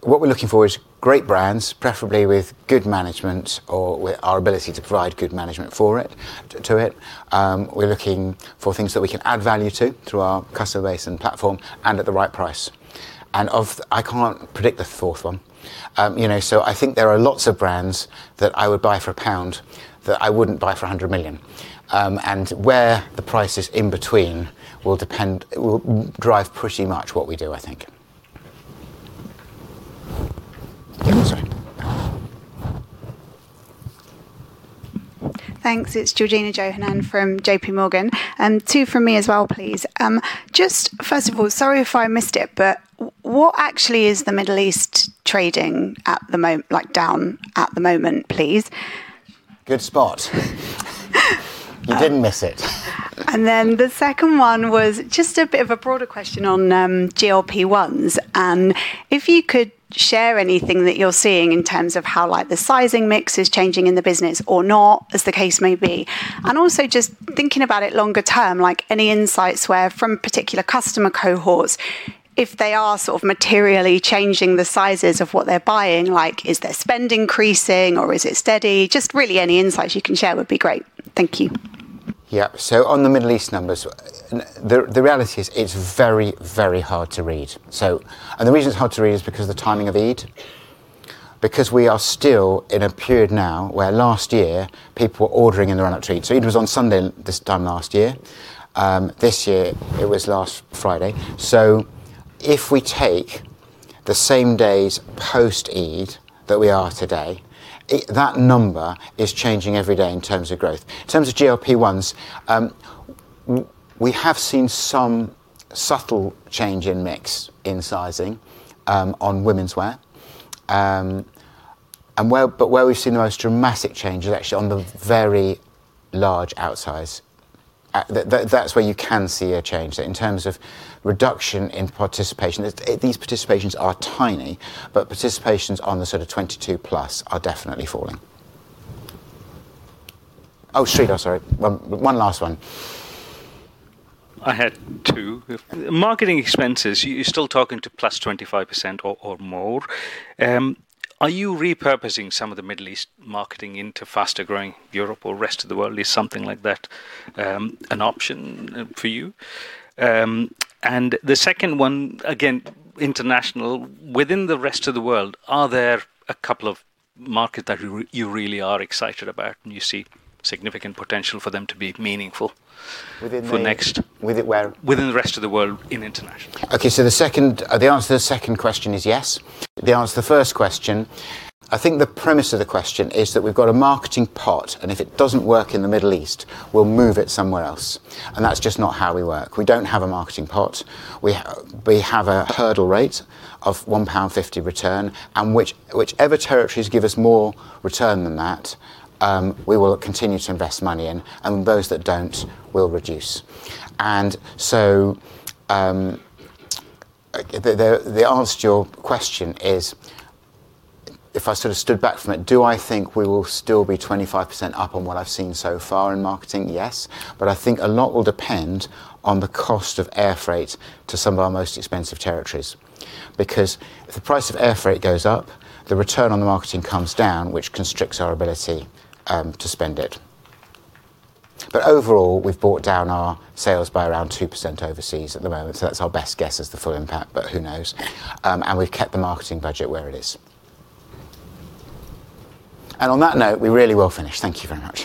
S2: What we're looking for is great brands, preferably with good management or with our ability to provide good management for it, to it. We're looking for things that we can add value to through our customer base and platform and at the right price. I can't predict the fourth one. You know, I think there are lots of brands that I would buy for GBP 1 that I wouldn't buy for 100 million. Where the price is in between will drive pretty much what we do, I think. Sorry.
S10: Thanks. It's Georgina Johanan from J.P. Morgan. Two from me as well, please. Just first of all, sorry if I missed it, but what actually is the Middle East trading at the moment, like down at the moment, please?
S2: Good spot. You didn't miss it.
S10: The second one was just a bit of a broader question on GLP-1s. If you could share anything that you're seeing in terms of how, like, the sizing mix is changing in the business or not, as the case may be. Also just thinking about it longer term, like any insights from particular customer cohorts, if they are sort of materially changing the sizes of what they're buying, like is their spend increasing or is it steady? Just really any insights you can share would be great. Thank you.
S2: Yeah. On the Middle East numbers, the reality is it's very, very hard to read. The reason it's hard to read is because the timing of Eid ul-Fitr. Because we are still in a period now where last year people were ordering in their Eid ul-Fitr treat. Eid ul-Fitr was on Sunday this time last year. This year it was last Friday. If we take the same day's post-Eid that we are today, that number is changing every day in terms of growth. In terms of GLP-1s, we have seen some subtle change in mix in sizing on women's wear. But where we've seen the most dramatic change is actually on the very large outsize. That's where you can see a change. In terms of reduction in participation, these participations are tiny, but participations on the sort of 22+ are definitely falling. Oh, Sree, sorry. One last one.
S11: I had two. Marketing expenses, you're still talking to plus 25% or more. Are you repurposing some of the Middle East marketing into faster-growing Europe or rest of the world? Is something like that an option for you? The second one, again, international. Within the rest of the world, are there a couple of markets that you really are excited about and you see significant potential for them to be meaningful-
S2: Within the-
S11: ...for next-...
S2: Where?
S11: ...within the rest of the world in international.
S2: Okay, the answer to the second question is yes. The answer to the first question, I think the premise of the question is that we've got a marketing pot, and if it doesn't work in the Middle East, we'll move it somewhere else, and that's just not how we work. We don't have a marketing pot. We have a hurdle rate of £1.50 return, and whichever territories give us more return than that, we will continue to invest money in, and those that don't, we'll reduce. The answer to your question is, if I sort of stood back from it, do I think we will still be 25% up on what I've seen so far in marketing? Yes. I think a lot will depend on the cost of air freight to some of our most expensive territories. Because if the price of air freight goes up, the return on the marketing comes down, which constricts our ability to spend it. Overall, we've brought down our sales by around 2% overseas at the moment. That's our best guess is the full impact, but who knows? We've kept the marketing budget where it is. On that note, we really will finish. Thank you very much.